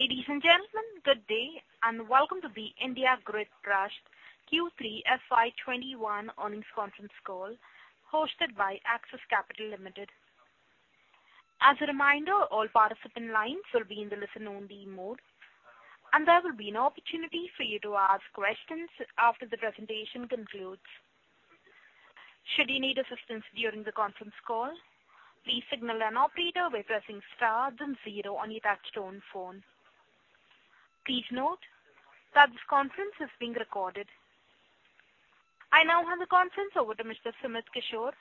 Ladies and gentlemen, good day, and welcome to the India Grid Trust Q3 FY 2021 earnings conference call hosted by Axis Capital Limited. As a reminder, all participant lines will be in the listen-only mode, and there will be an opportunity for you to ask questions after the presentation concludes. Should you need assistance during the conference call, please signal an operator by pressing star then zero on your touch-tone phone. Please note that this conference is being recorded. I now hand the conference over to Mr. Sumit Kishore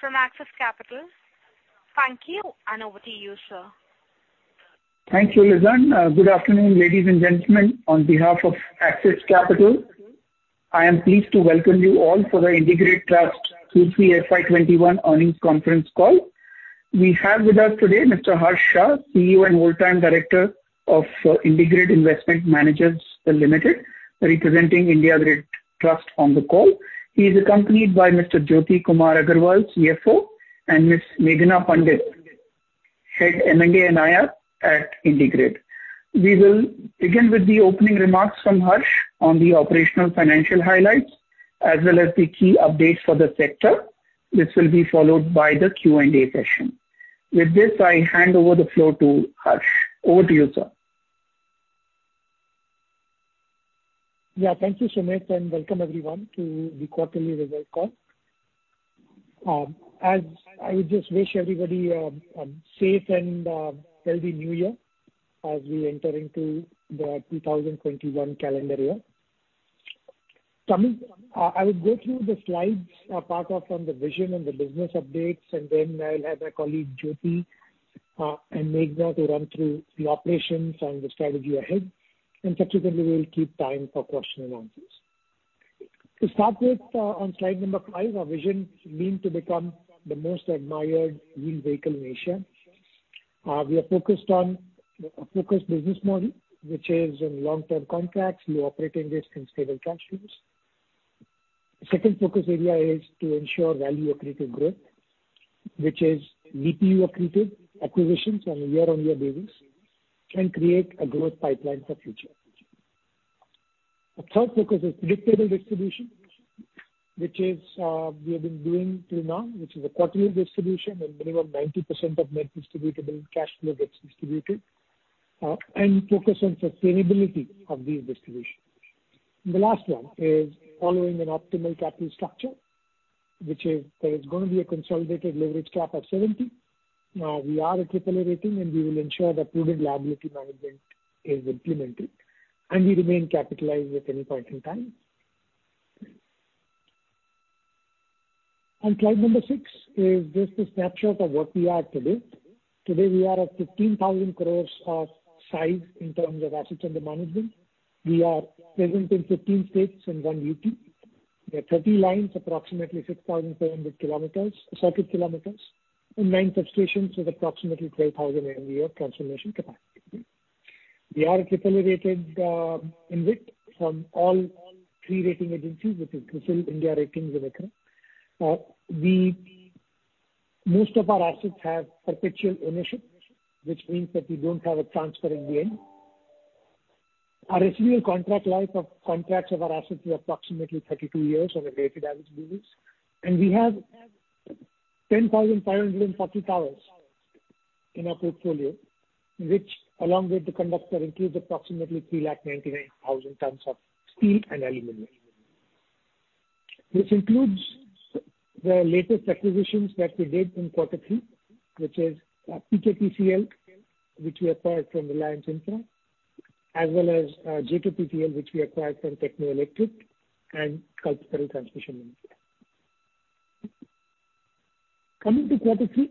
from Axis Capital. Thank you, and over to you, sir. Thank you, Lizann. Good afternoon, ladies and gentlemen. On behalf of Axis Capital, I am pleased to welcome you all for the India Grid Trust Q3 FY 2021 earnings conference call. We have with us today Mr. Harsh Shah, CEO and whole-time Director of IndiGrid Investment Managers Limited, representing India Grid Trust on the call. He is accompanied by Mr. Jyoti Kumar Agarwal, CFO, and Miss Meghana Pandit, Head M&A and IR at IndiGrid. We will begin with the opening remarks from Harsh on the operational financial highlights, as well as the key updates for the sector. This will be followed by the Q&A session. With this, I hand over the floor to Harsh. Over to you, sir. Thank you, Sumit, and welcome everyone to the quarterly result call. I just wish everybody a safe and healthy new year as we enter into the 2021 calendar year. I will go through the slides, apart from the vision and the business updates, and then I'll have my colleague, Jyoti and Meghana, to run through the operations and the strategy ahead, and subsequently, we'll keep time for question and answers. To start with, on slide number five, our vision is meant to become the most admired vehicle in Asia. We are focused on a focused business model, which is in long-term contracts, low operating risk, and stable cash flows. Second focus area is to ensure value accretive growth, which is DPU accretive acquisitions on a year-on-year basis, and create a growth pipeline for future. The third focus is predictable distribution, which we have been doing till now, which is a quarterly distribution and minimum 90% of net distributable cash flow gets distributed, and focus on sustainability of these distributions. The last one is following an optimal capital structure, which is there is going to be a consolidated leverage cap of 70%. We are a AAA rating, and we will ensure that prudent liability management is implemented, and we remain capitalized at any point in time. On slide number six is just a snapshot of what we are today. Today, we are at 15,000 crores of size in terms of assets under management. We are present in 15 states and one UT. We have 30 lines, approximately 6,700 circuit kilometers, and nine substations with approximately 12,000 MVA transformation capacity. We are a AAA-rated InvIT from all three rating agencies, which is CRISIL, India Ratings, and ICRA. Most of our assets have perpetual ownership, which means that we don't have a transfer in the end. Our residual contract life of contracts of our assets is approximately 32 years on a weighted average basis. We have 10,540 towers in our portfolio, which along with the conductor includes approximately 399,000 tons of steel and aluminum. This includes the latest acquisitions that we did in quarter three, which is PKTCL, which we acquired from Reliance Infra, as well as JKTPL, which we acquired from Techno Electric and Kalpataru Power Transmission Limited. Coming to quarter three,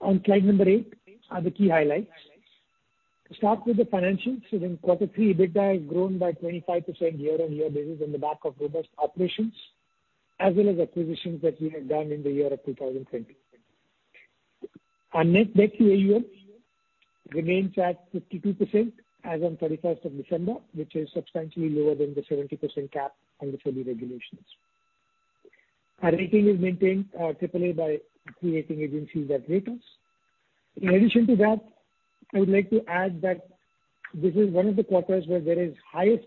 on slide number eight are the key highlights. To start with the financials, in quarter three, EBITDA has grown by 25% year-on-year basis on the back of robust operations, as well as acquisitions that we have done in the year of 2020. Our net debt-to-AUM remains at 52% as on 31st of December 2020, which is substantially lower than the 70% cap under the regulations. Our rating is maintained AAA by three rating agencies that rate us. In addition to that, I would like to add that this is one of the quarters where there is highest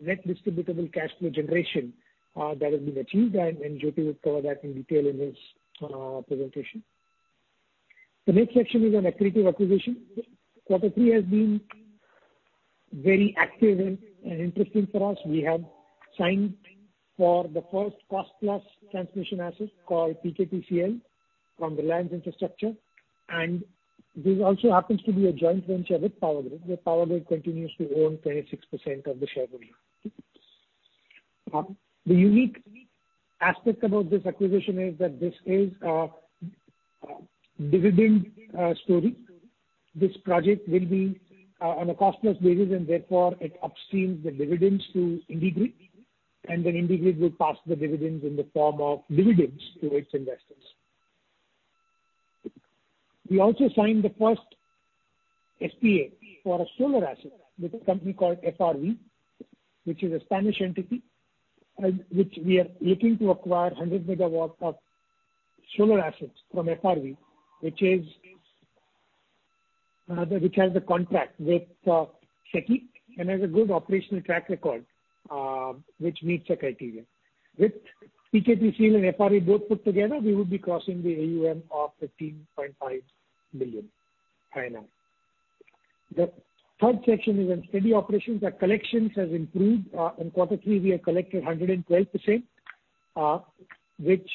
net distributable cash flow generation that has been achieved, and Jyoti will cover that in detail in his presentation. The next section is on accretive acquisitions. Quarter three has been very active and interesting for us. We have signed for the first cost-plus transmission asset called PKTCL from Reliance Infrastructure, this also happens to be a joint venture with Power Grid, where Power Grid continues to own 36% of the shareholding. The unique aspect about this acquisition is that this is a dividend story. This project will be on a cost-plus basis, and therefore it upstreams the dividends to IndiGrid, and then IndiGrid will pass the dividends in the form of dividends to its investors. We also signed the first SPA for a solar asset with a company called FRV, which is a Spanish entity, and which we are looking to acquire 100 MW of solar assets from FRV, which has the contract with SECI and has a good operational track record, which meets the criteria. With PKTCL and FRV both put together, we will be crossing the AUM of 15.5 million. The third section is on steady operations. Our collections have improved. In quarter three, we have collected 112%, which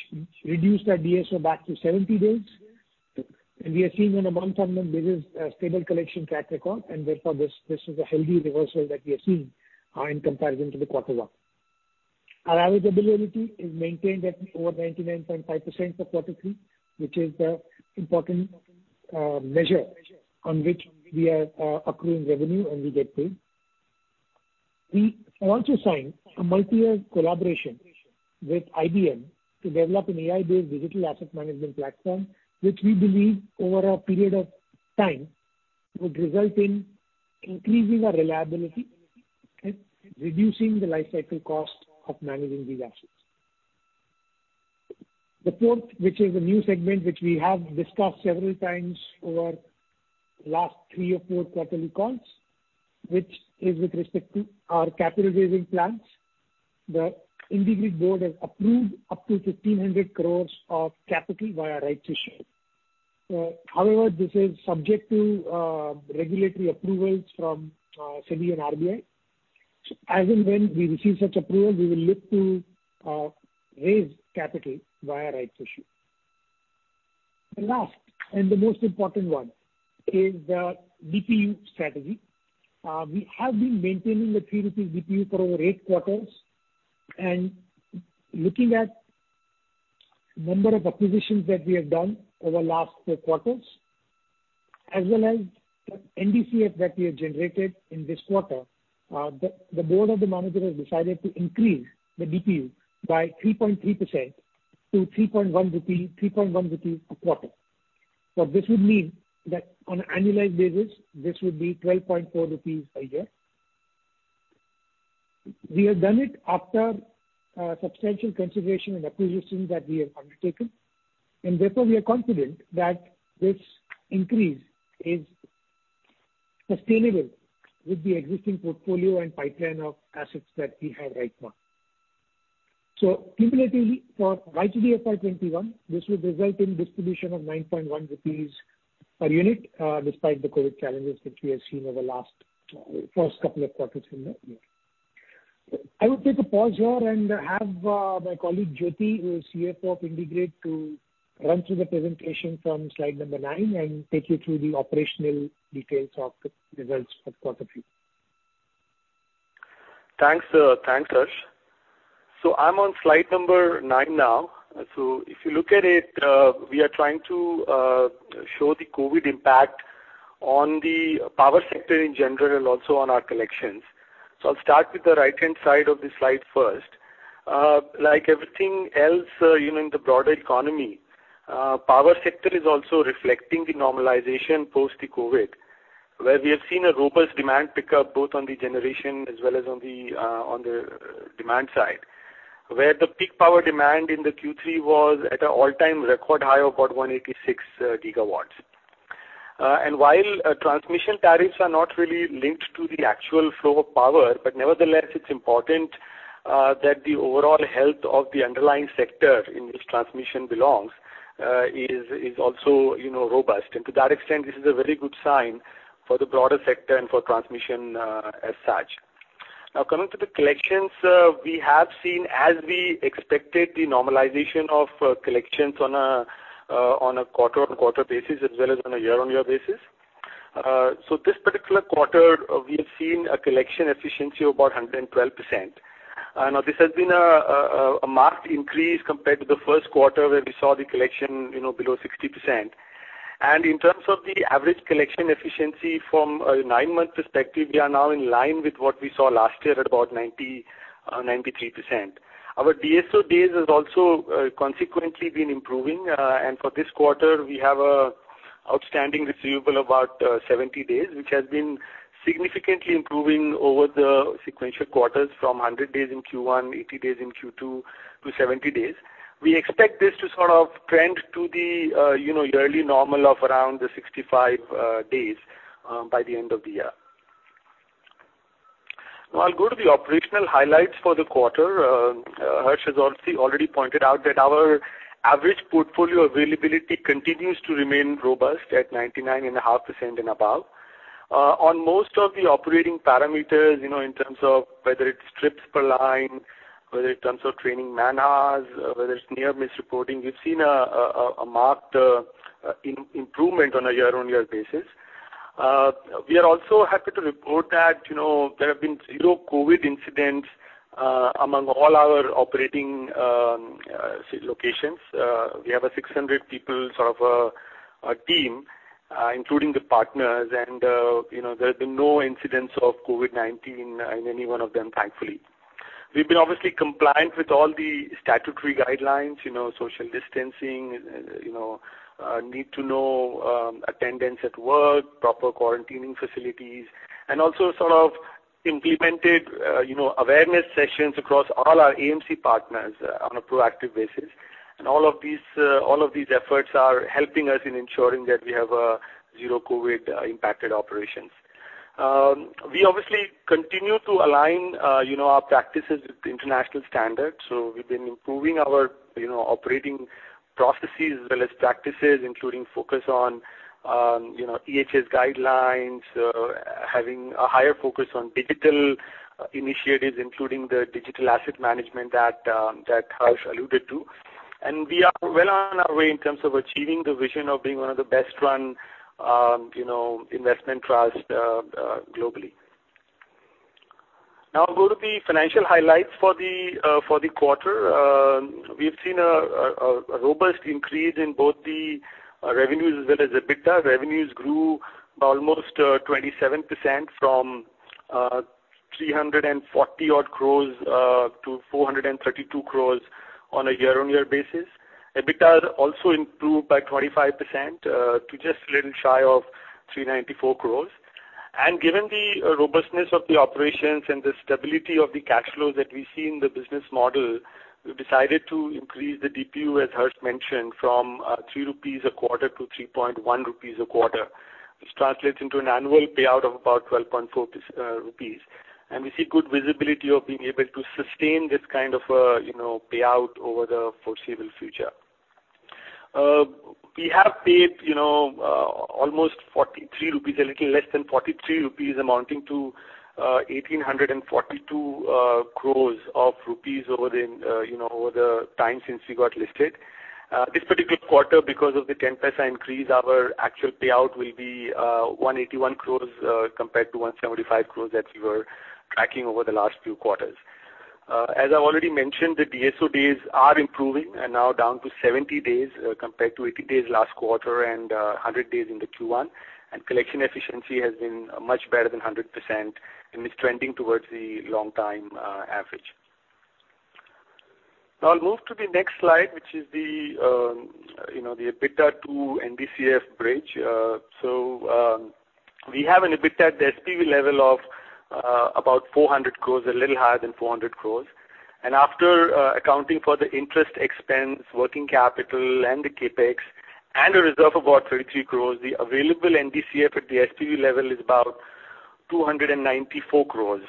reduced our DSO back to 70 days. We are seeing on a month-on-month basis, a stable collection track record, therefore this is a healthy reversal that we are seeing in comparison to quarter one. Our availability is maintained at over 99.5% for quarter three, which is the important measure on which we are accruing revenue, and we get paid. We also signed a multi-year collaboration with IBM to develop an AI-based digital asset management platform, which we believe over a period of time would result in increasing our reliability and reducing the life cycle cost of managing these assets. The fourth, which is a new segment, which we have discussed several times over the last three or four quarterly calls, which is with respect to our capital raising plans. The IndiGrid board has approved up to 1,500 crore of capital via rights issue. However, this is subject to regulatory approvals from SEBI and RBI. As and when we receive such approval, we will look to raise capital via rights issue. The last and the most important one is the DPU strategy. We have been maintaining the 3 rupees DPU for over eight quarters. Looking at the number of acquisitions that we have done over the last four quarters, as well as the NDCF that we have generated in this quarter, the board of the managers has decided to increase the DPU by 3.3% to 3.1 rupee a quarter. This would mean that on an annualized basis, this would be 12.4 rupees a year. We have done it after substantial consideration and acquisitions that we have undertaken. Therefore, we are confident that this increase is sustainable with the existing portfolio and pipeline of assets that we have right now. Cumulatively, for YTD FY 2021, this would result in distribution of 9.1 rupees per unit, despite the COVID challenges that we have seen over the first couple of quarters in the year. I will take a pause here and have my colleague, Jyoti, who is CFO of IndiGrid, to run through the presentation from slide number nine and take you through the operational details of the results for quarter three. Thanks, Harsh. I'm on slide number nine now. If you look at it, we are trying to show the COVID impact on the power sector in general, also on our collections. I'll start with the right-hand side of the slide first. Like everything else in the broader economy, power sector is also reflecting the normalization post COVID, where we have seen a robust demand pickup both on the generation as well as on the demand side, where the peak power demand in the Q3 was at an all-time record high of about 186 GW. While transmission tariffs are not really linked to the actual flow of power, but nevertheless, it's important that the overall health of the underlying sector in which transmission belongs is also robust. To that extent, this is a very good sign for the broader sector and for transmission as such. Coming to the collections, we have seen, as we expected, the normalization of collections on a quarter-on-quarter basis as well as on a year-on-year basis. This particular quarter, we have seen a collection efficiency of about 112%. This has been a marked increase compared to the first quarter where we saw the collection below 60%. In terms of the average collection efficiency from a nine-month perspective, we are now in line with what we saw last year at about 93%. Our DSO days has also consequently been improving. For this quarter, we have an outstanding receivable about 70 days, which has been significantly improving over the sequential quarters from 100 days in Q1, 80 days in Q2 to 70 days. We expect this to sort of trend to the yearly normal of around 65 days by the end of the year. I'll go to the operational highlights for the quarter. Harsh has also already pointed out that our average portfolio availability continues to remain robust at 99.5% and above. Most of the operating parameters, in terms of whether it's trips per line, whether in terms of training man hours, whether it's near-miss reporting, we've seen a marked improvement on a year-on-year basis. We are also happy to report that there have been zero COVID incidents among all our operating locations. We have a 600 people team, including the partners, and there have been no incidents of COVID-19 in any one of them, thankfully. We've been obviously compliant with all the statutory guidelines, social distancing, need to know attendance at work, proper quarantining facilities, and also implemented awareness sessions across all our AMC partners on a proactive basis. All of these efforts are helping us in ensuring that we have zero COVID impacted operations. We obviously continue to align our practices with international standards. We've been improving our operating processes as well as practices, including focus on EHS guidelines, having a higher focus on digital initiatives, including the digital asset management that Harsh alluded to. We are well on our way in terms of achieving the vision of being one of the best run investment trusts globally. Now I'll go to the financial highlights for the quarter. We've seen a robust increase in both the revenues as well as EBITDA. Revenues grew by almost 27% from 340 odd crores to 432 crores on a year-on-year basis. EBITDA also improved by 25% to just a little shy of 394 crores. Given the robustness of the operations and the stability of the cash flows that we see in the business model, we've decided to increase the DPU, as Harsh mentioned, from 3 rupees a quarter to 3.1 rupees a quarter. This translates into an annual payout of about 12.4 rupees. We see good visibility of being able to sustain this kind of payout over the foreseeable future. We have paid almost 43 rupees, a little less than 43 rupees, amounting to 1,842 crore rupees over the time since we got listed. This particular quarter, because of the 0.10 increase, our actual payout will be 181 crore, compared to 175 crore that we were tracking over the last few quarters. As I already mentioned, the DSO days are improving and now down to 70 days, compared to 80 days last quarter and 100 days in the Q1. Collection efficiency has been much better than 100%, and is trending towards the long time average. I'll move to the next slide, which is the EBITDA to NDCF bridge. We have an EBITDA at the SPV level of about 400 crores, a little higher than 400 crores. After accounting for the interest expense, working capital, and the CapEx, and a reserve of about 33 crores, the available NDCF at the SPV level is about 294 crores.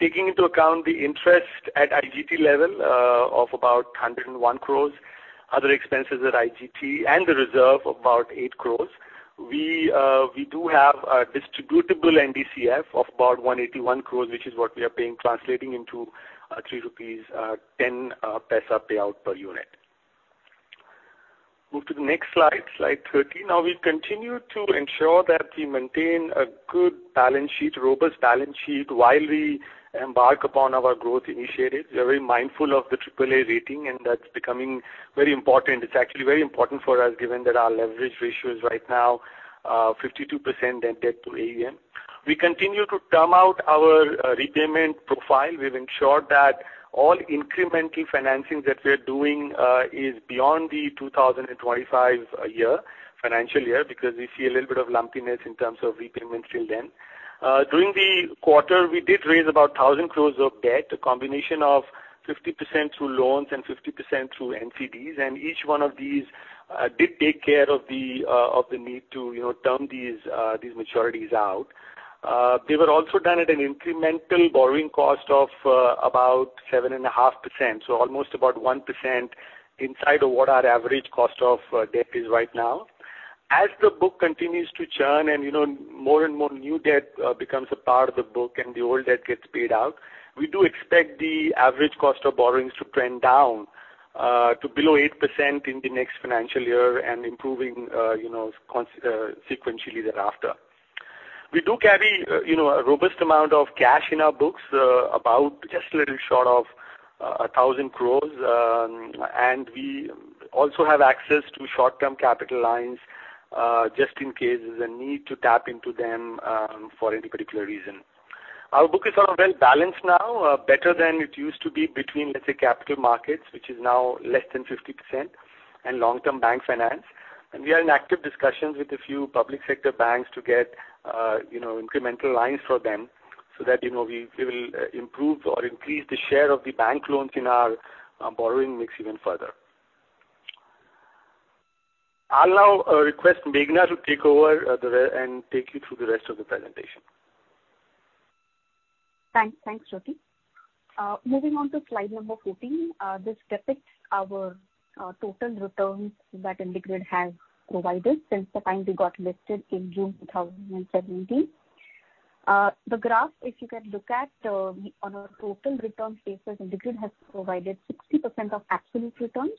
Taking into account the interest at IGT level of about 101 crores, other expenses at IGT and the reserve of about 8 crores, we do have a distributable NDCF of about 181 crores, which is what we are paying, translating into 3.10 rupees payout per unit. Move to the next slide 13. We continue to ensure that we maintain a good balance sheet, robust balance sheet, while we embark upon our growth initiatives. We are very mindful of the AAA rating. That's becoming very important. It's actually very important for us given that our leverage ratio is right now 52% net debt to AUM. We continue to term out our repayment profile. We've ensured that all incremental financing that we're doing is beyond the 2025 financial year, because we see a little bit of lumpiness in terms of repayment till then. During the quarter, we did raise about 1,000 crore of debt, a combination of 50% through loans and 50% through NCDs. Each one of these did take care of the need to term these maturities out. They were also done at an incremental borrowing cost of about 7.5%. Almost about 1% inside of what our average cost of debt is right now. As the book continues to churn and more and more new debt becomes a part of the book and the old debt gets paid out, we do expect the average cost of borrowings to trend down to below 8% in the next financial year and improving sequentially thereafter. We do carry a robust amount of cash in our books, about just a little short of 1,000 crores. We also have access to short-term capital lines, just in case there's a need to tap into them for any particular reason. Our book is well-balanced now, better than it used to be between, let's say, capital markets, which is now less than 50%, and long-term bank finance. We are in active discussions with a few public sector banks to get incremental lines from them so that we will improve or increase the share of the bank loans in our borrowing mix even further. I'll now request Meghana to take over and take you through the rest of the presentation. Thanks, Jyoti. Moving on to slide number 14. This depicts our total returns that IndiGrid has provided since the time we got listed in June 2017. The graph, if you can look at, on a total return basis, IndiGrid has provided 60% of absolute returns,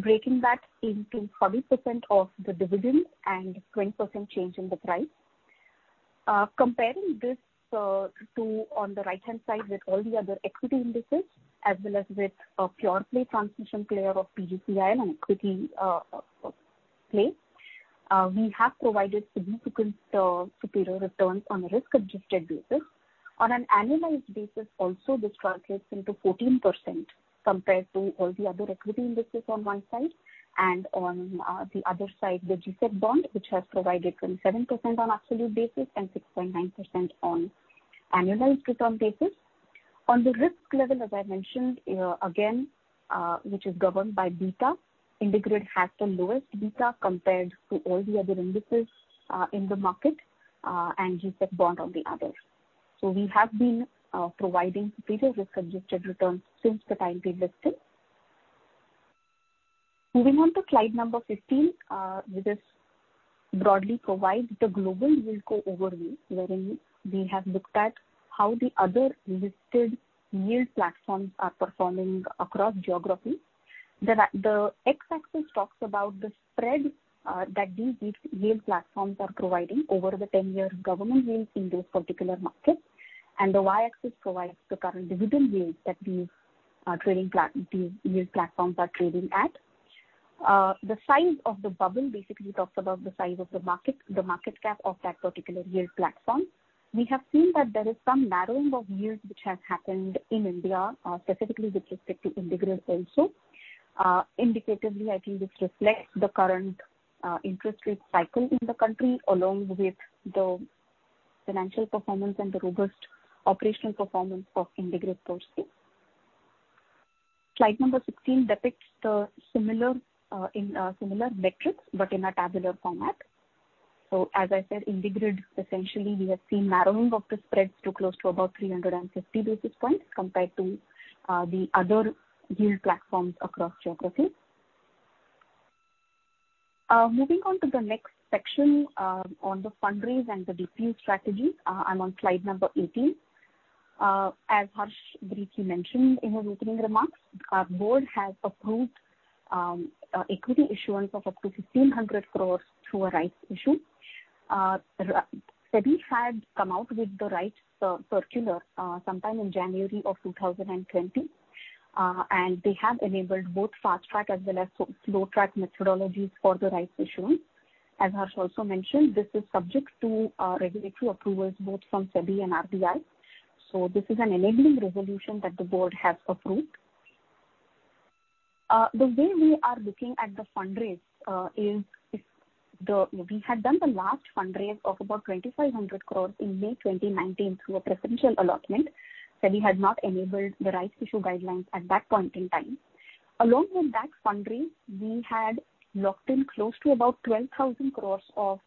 breaking that into 40% of the dividends and 20% change in the price. Comparing this to, on the right-hand side, with all the other equity indices, as well as with a pure play transmission player of PGCIL on equity play, we have provided significant superior returns on a risk-adjusted basis. On an annualized basis also, this translates into 14%, compared to all the other equity indices on one side, and on the other side, the G-sec bond, which has provided 27% on absolute basis and 6.9% on annualized return basis. On the risk level, as I mentioned again, which is governed by beta, IndiGrid has the lowest beta compared to all the other indices in the market, and G-sec Bond on the other. We have been providing superior risk-adjusted returns since the time we listed. Moving on to slide number 15. This broadly provides the global yield co overview, wherein we have looked at how the other listed yield platforms are performing across geographies. The x-axis talks about the spread that these yield platforms are providing over the 10-year government yields in those particular markets. The y-axis provides the current dividend yield that these yield platforms are trading at. The size of the bubble basically talks about the size of the market cap of that particular yield platform. We have seen that there is some narrowing of yields which has happened in India, specifically with respect to IndiGrid also. Indicatively, I think this reflects the current interest rate cycle in the country, along with the financial performance and the robust operational performance of IndiGrid per se. Slide number 16 depicts similar metrics, but in a tabular format. As I said, IndiGrid, essentially, we have seen narrowing of the spreads to close to about 350 basis points compared to the other yield platforms across geographies. Moving on to the next section on the fund raise and the DPU strategy. I'm on slide number 18. As Harsh briefly mentioned in his opening remarks, our board has approved an equity issuance of up to 1,500 crores through a rights issue. SEBI had come out with the rights circular sometime in January 2020. They have enabled both fast-track as well as slow-track methodologies for the rights issuance. As Harsh also mentioned, this is subject to regulatory approvals both from SEBI and RBI. This is an enabling resolution that the board has approved. The way we are looking at the fund raise is, we had done the last fund raise of about 2,500 crore in May 2019 through a preferential allotment. SEBI had not enabled the rights issue guidelines at that point in time. Along with that fund raise, we had locked in close to about 12,000 crore of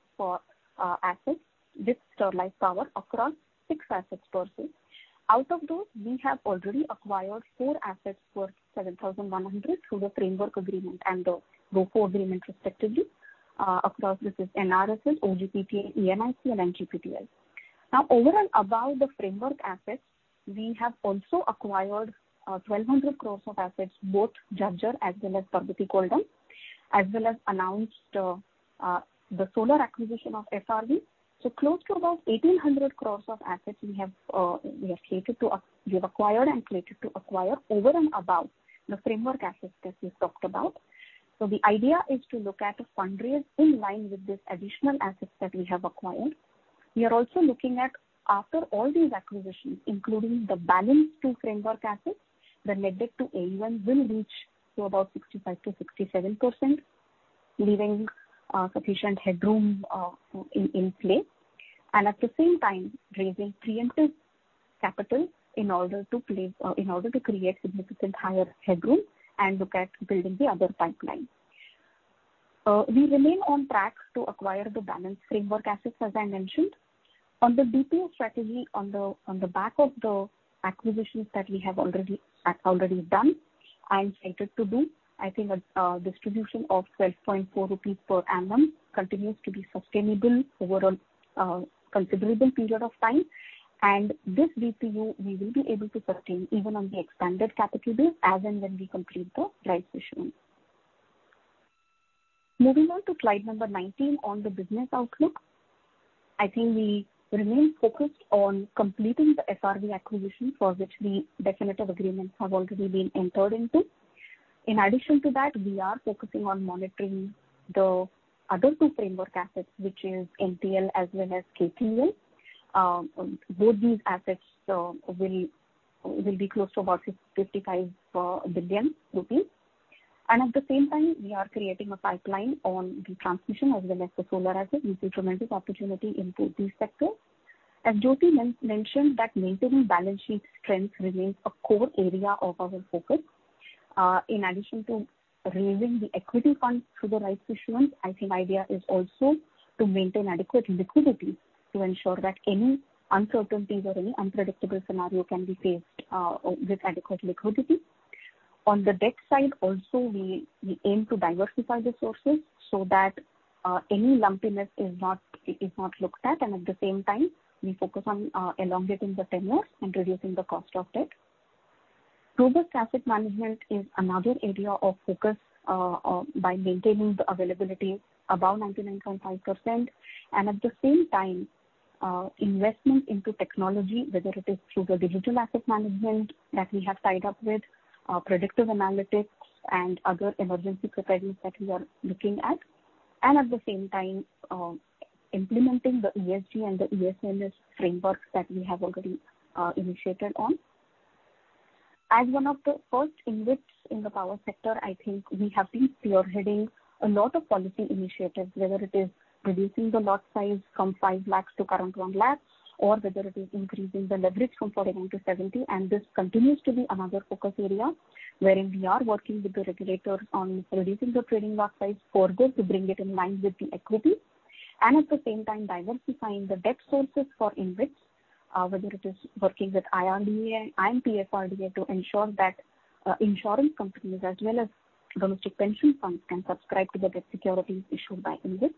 assets, this Sterlite Power, across six assets per se. Out of those, we have already acquired four assets worth 7,100 through the framework agreement and the RoFO agreement respectively. Across, this is NRSS, OGPTL, ENICL, and NGPTL. Overall, above the framework assets, we have also acquired 1,200 crore of assets, both Jhajjar as well as Parbati Koldam, as well as announced the solar acquisition of FRV. Close to about 1,800 crore of assets we have acquired and slated to acquire over and above the framework assets that we've talked about. The idea is to look at a fund raise in line with these additional assets that we have acquired. We are also looking at after all these acquisitions, including the balance two framework assets, the net debt to AUM will reach to about 65%-67%, leaving sufficient headroom in play. At the same time, raising preemptive capital in order to create significantly higher headroom and look at building the other pipeline. We remain on track to acquire the balance framework assets, as I mentioned. On the DPU strategy on the back of the acquisitions that we have already done and slated to do, I think a distribution of 12.4 rupees per annum continues to be sustainable over a considerable period of time. This DPU, we will be able to sustain even on the expanded capital base as and when we complete the rights issue. Moving on to slide number 19 on the business outlook. I think we remain focused on completing the FRV acquisition, for which the definitive agreements have already been entered into. In addition to that, we are focusing on monitoring the other two framework assets, which is NTL as well as KTL. Both these assets will be close to about 55 billion rupees. At the same time, we are creating a pipeline on the transmission as well as the solar assets. We see tremendous opportunity in both these sectors. As Jyoti mentioned that maintaining balance sheet strength remains a core area of our focus. In addition to raising the equity funds through the rights issuance, I think idea is also to maintain adequate liquidity to ensure that any uncertainties or any unpredictable scenario can be faced with adequate liquidity. On the debt side also, we aim to diversify the sources so that any lumpiness is not looked at. At the same time, we focus on elongating the tenure and reducing the cost of debt. Robust asset management is another area of focus by maintaining the availability above 99.5%. At the same time, investment into technology, whether it is through the digital asset management that we have tied up with, predictive analytics, and other emergency preparedness that we are looking at. At the same time, implementing the ESG and the ESMS frameworks that we have already initiated on. As one of the first InvITs in the power sector, I think we have been spearheading a lot of policy initiatives, whether it is reducing the lot size from 5 lakh to current 1 lakh, or whether it is increasing the leverage from 49%-70%. This continues to be another focus area, wherein we are working with the regulators on reducing the trading lot size for good to bring it in line with the equity and at the same time diversifying the debt sources for InvIT, whether it is working with IRDA and PFRDA to ensure that insurance companies as well as domestic pension funds can subscribe to the debt securities issued by InvIT.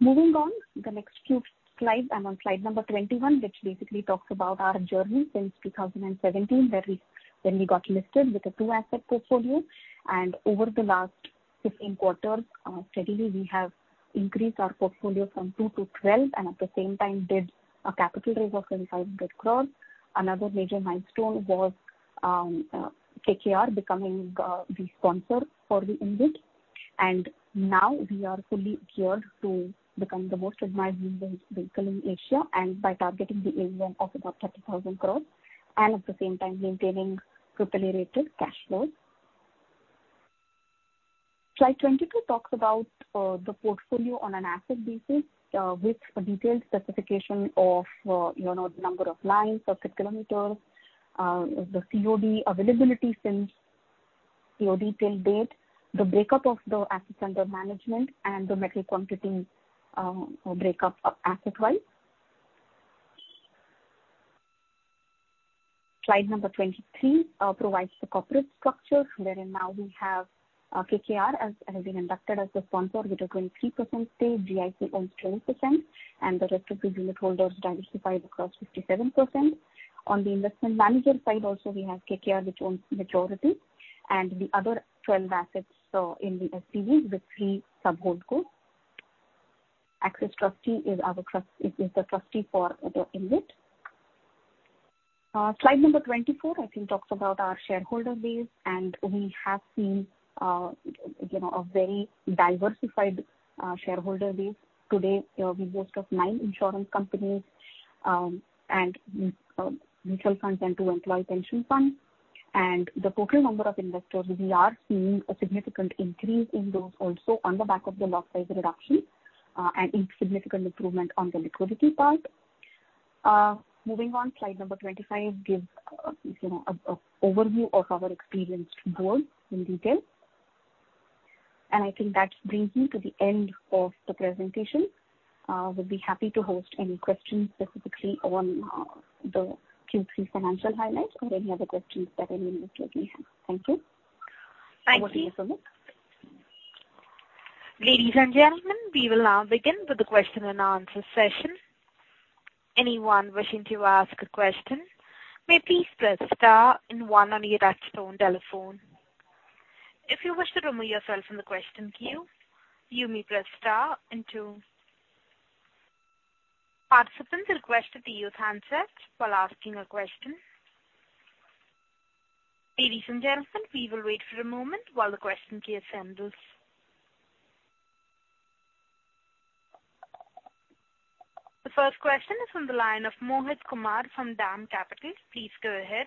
Moving on, the next few slides. I'm on slide number 21, which basically talks about our journey since 2017 when we got listed with a two asset portfolio. Over the last 15 quarters, steadily we have increased our portfolio from two to 12 and at the same time did a capital raise of 700 crores. Another major milestone was KKR becoming the sponsor for the InvIT. Now we are fully geared to become the most admired InvIT vehicle in Asia and by targeting the AUM of about 30,000 crores and at the same time maintaining quarterly rated cash flows. Slide 22 talks about the portfolio on an asset basis with a detailed specification of number of lines, circuit kilometers, the COD availability since COD till date, the breakup of the assets under management and the metal quantity breakup asset-wise. Slide number 23 provides the corporate structure wherein now we have KKR has been inducted as the sponsor with a 23% stake. GIC owns 12% and the rest of the unitholders diversified across 57%. On the investment manager side also we have KKR, which owns majority and the other 12 assets in the SPV with three sub-holdcos. Axis Trustee is the trustee for the InvIT. Slide number 24, I think, talks about our shareholder base and we have seen a very diversified shareholder base. Today, we boast of nine insurance companies, and mutual funds and two employee pension funds. The total number of investors, we are seeing a significant increase in those also on the back of the lot size reduction and significant improvement on the liquidity part. Moving on, slide number 25 gives an overview of our experienced board in detail. I think that brings me to the end of the presentation. I would be happy to host any questions specifically on the Q3 financial highlights or any other questions that any investor may have. Thank you. Ladies and gentlemen, we will now begin with the question and answer session. Anyone wishing to ask a question may please press star and one on your touchtone telephone. If you wish to remove yourself from the question queue, you may press star and two. Participants are requested to use handsets while asking a question. Ladies and gentlemen, we will wait for a moment while the question queue assembles. The first question is from the line of Mohit Kumar from DAM Capital. Please go ahead.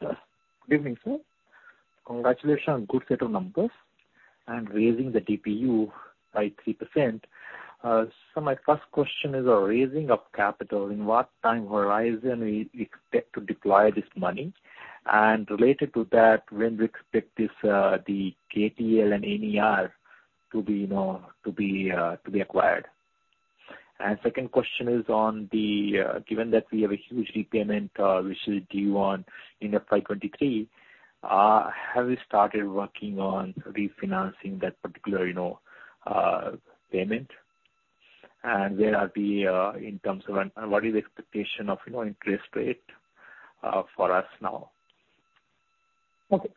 Good evening, sir. Congratulations on good set of numbers and raising the DPU by 3%. My first question is on raising of capital. In what time horizon we expect to deploy this money? Related to that, when we expect the KTL and NER to be acquired? Second question is, given that we have a huge repayment which is due in FY 2023, have you started working on refinancing that particular payment? Where are we in terms of, and what is the expectation of interest rate for us now? Okay.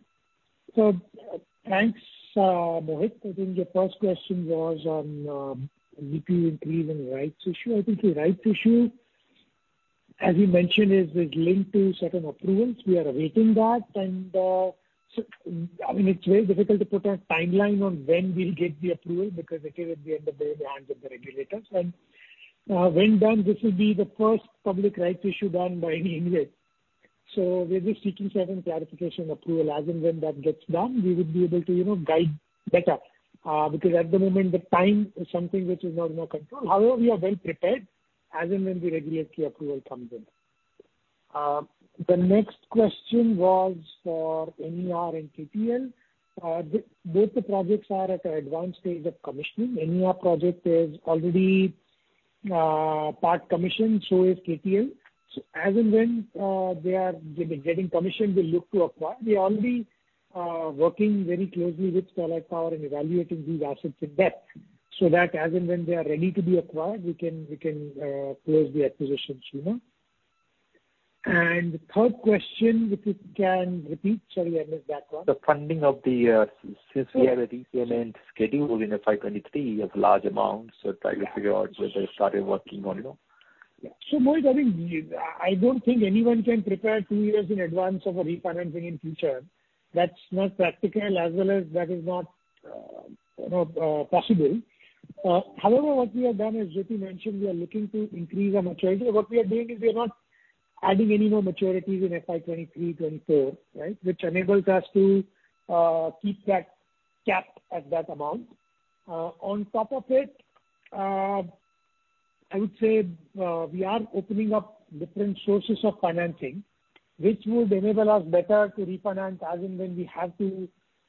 Thanks, Mohit. I think your first question was on DPU increase and rights issue. I think the rights issue, as you mentioned, is linked to certain approvals. We are awaiting that. It's very difficult to put a timeline on when we'll get the approval because at the end of the day, it's in the hands of the regulators. When done, this will be the first public rights issue done by any InvIT. We're just seeking certain clarification approval. As and when that gets done, we would be able to guide better because at the moment, the time is something which is not in our control. However, we are well prepared as and when the regulatory approval comes in. The next question was for NER and KTL. Both the projects are at an advanced stage of commissioning. NER project is already part commissioned, so is KTL. As and when they are getting commissioned, we look to acquire. We're already working very closely with Sterlite Power and evaluating these assets in depth so that as and when they are ready to be acquired, we can close the acquisitions. The third question, if you can repeat. Sorry, I missed that one. The funding of the, since we have a repayment scheduled in FY 2023 of large amounts. Trying to figure out whether you started working on it or not? Mohit, I don't think anyone can prepare two years in advance of a refinancing in future. That's not practical as well as that is not, you know, possible. What we have done, as Jyoti mentioned, we are looking to increase our maturity. What we are doing is we are not adding any more maturities in FY 2023, 2024, right? Which enables us to keep that cap at that amount. On top of it, I would say we are opening up different sources of financing, which would enable us better to refinance as and when we have to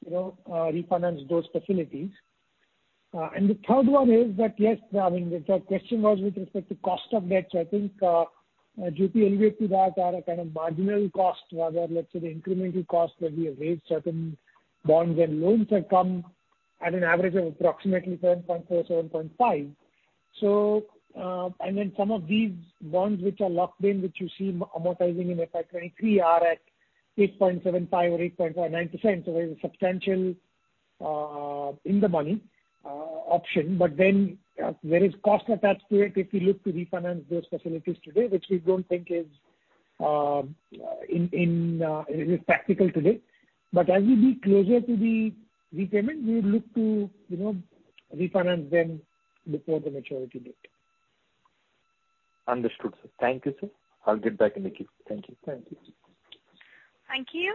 refinance those facilities. The third one is that, yes, the question was with respect to cost of debt. I think Jyoti alluded to that, our kind of marginal cost rather, let's say, the incremental cost that we have raised certain bonds and loans have come at an average of approximately 7.4%, 7.5%. Some of these bonds which are locked in, which you see amortizing in FY 2023 are at 8.75% or 8.5%, 9%. There is a substantial in the money option. There is cost attached to it if we look to refinance those facilities today, which we don't think is practical today. As we get closer to the repayment, we would look to refinance them before the maturity date. Understood, sir. Thank you, sir. I'll get back in the queue. Thank you. Thank you. Thank you.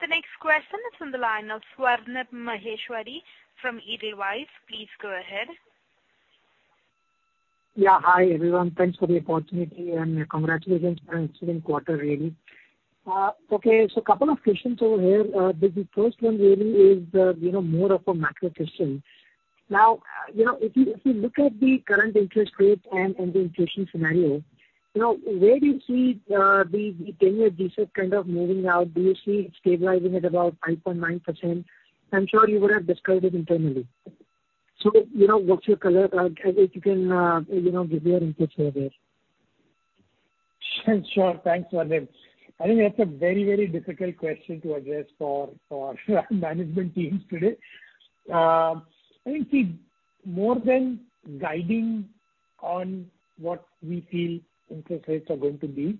The next question is on the line of Swarnim Maheshwari from Edelweiss. Please go ahead. Hi, everyone. Thanks for the opportunity and congratulations for an excellent quarter, really. Okay, couple of questions over here. The first one really is more of a macro question. If you look at the current interest rate and the inflation scenario, where do you see the 10-year G-sec kind of moving now? Do you see it stabilizing at about 5.9%? I'm sure you would have discussed it internally. What's your color? If you can give your inputs here. Sure. Thanks, Swarnim. I think that's a very difficult question to address for our management teams today. I think, see, more than guiding on what we feel interest rates are going to be,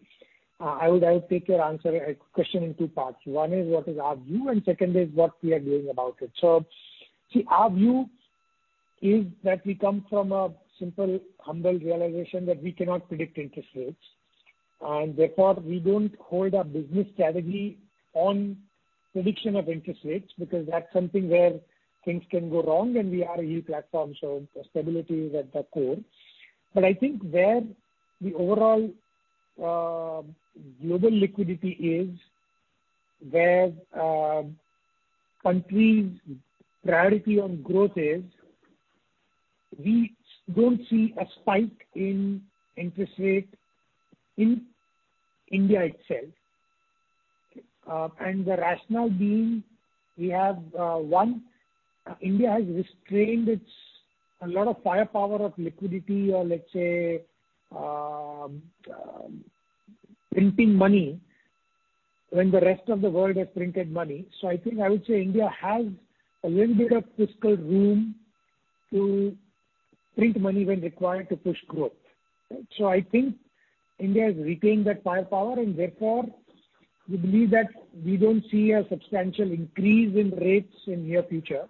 I would take your question in two parts. One is what is our view, and second is what we are doing about it. Our view is that we come from a simple, humble realization that we cannot predict interest rates, and therefore, we don't hold our business strategy on prediction of interest rates because that's something where things can go wrong, and we are a yield platform, so stability is at the core. I think where the overall global liquidity is, where country's priority on growth is, we don't see a spike in interest rate in India itself. The rationale being, one, India has restrained a lot of firepower of liquidity or, let's say, printing money when the rest of the world has printed money. I think I would say India has a little bit of fiscal room to print money when required to push growth. I think India has retained that firepower, and therefore, we believe that we don't see a substantial increase in rates in near future.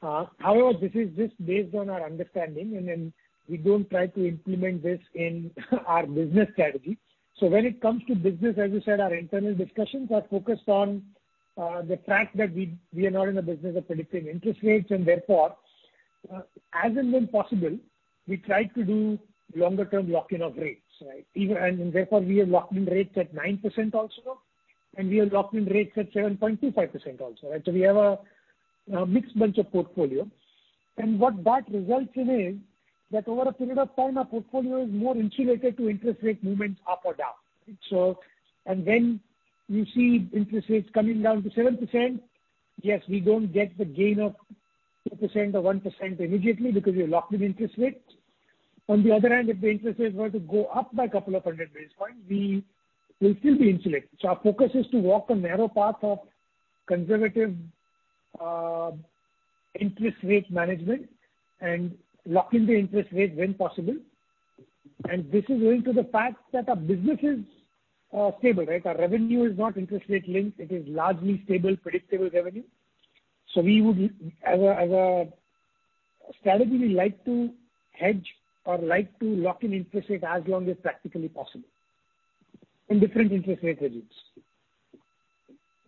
However, this is just based on our understanding, and then we don't try to implement this in our business strategy. When it comes to business, as you said, our internal discussions are focused on the fact that we are not in the business of predicting interest rates, and therefore, as and when possible, we try to do longer term lock-in of rates, right. Therefore, we have locked in rates at 9% also, and we have locked in rates at 7.25% also. We have a mixed bunch of portfolio. What that results in is that over a period of time, our portfolio is more insulated to interest rate movements up or down. When you see interest rates coming down to 7%, yes, we don't get the gain of 2% or 1% immediately because we have locked in interest rates. On the other hand, if the interest rates were to go up by a couple of 100 basis points, we will still be insulated. Our focus is to walk a narrow path of conservative interest rate management and lock in the interest rate when possible. This is owing to the fact that our business is stable, right? Our revenue is not interest rate linked. It is largely stable, predictable revenue. As a strategy, we like to hedge or like to lock in interest rate as long as practically possible in different interest rate regimes.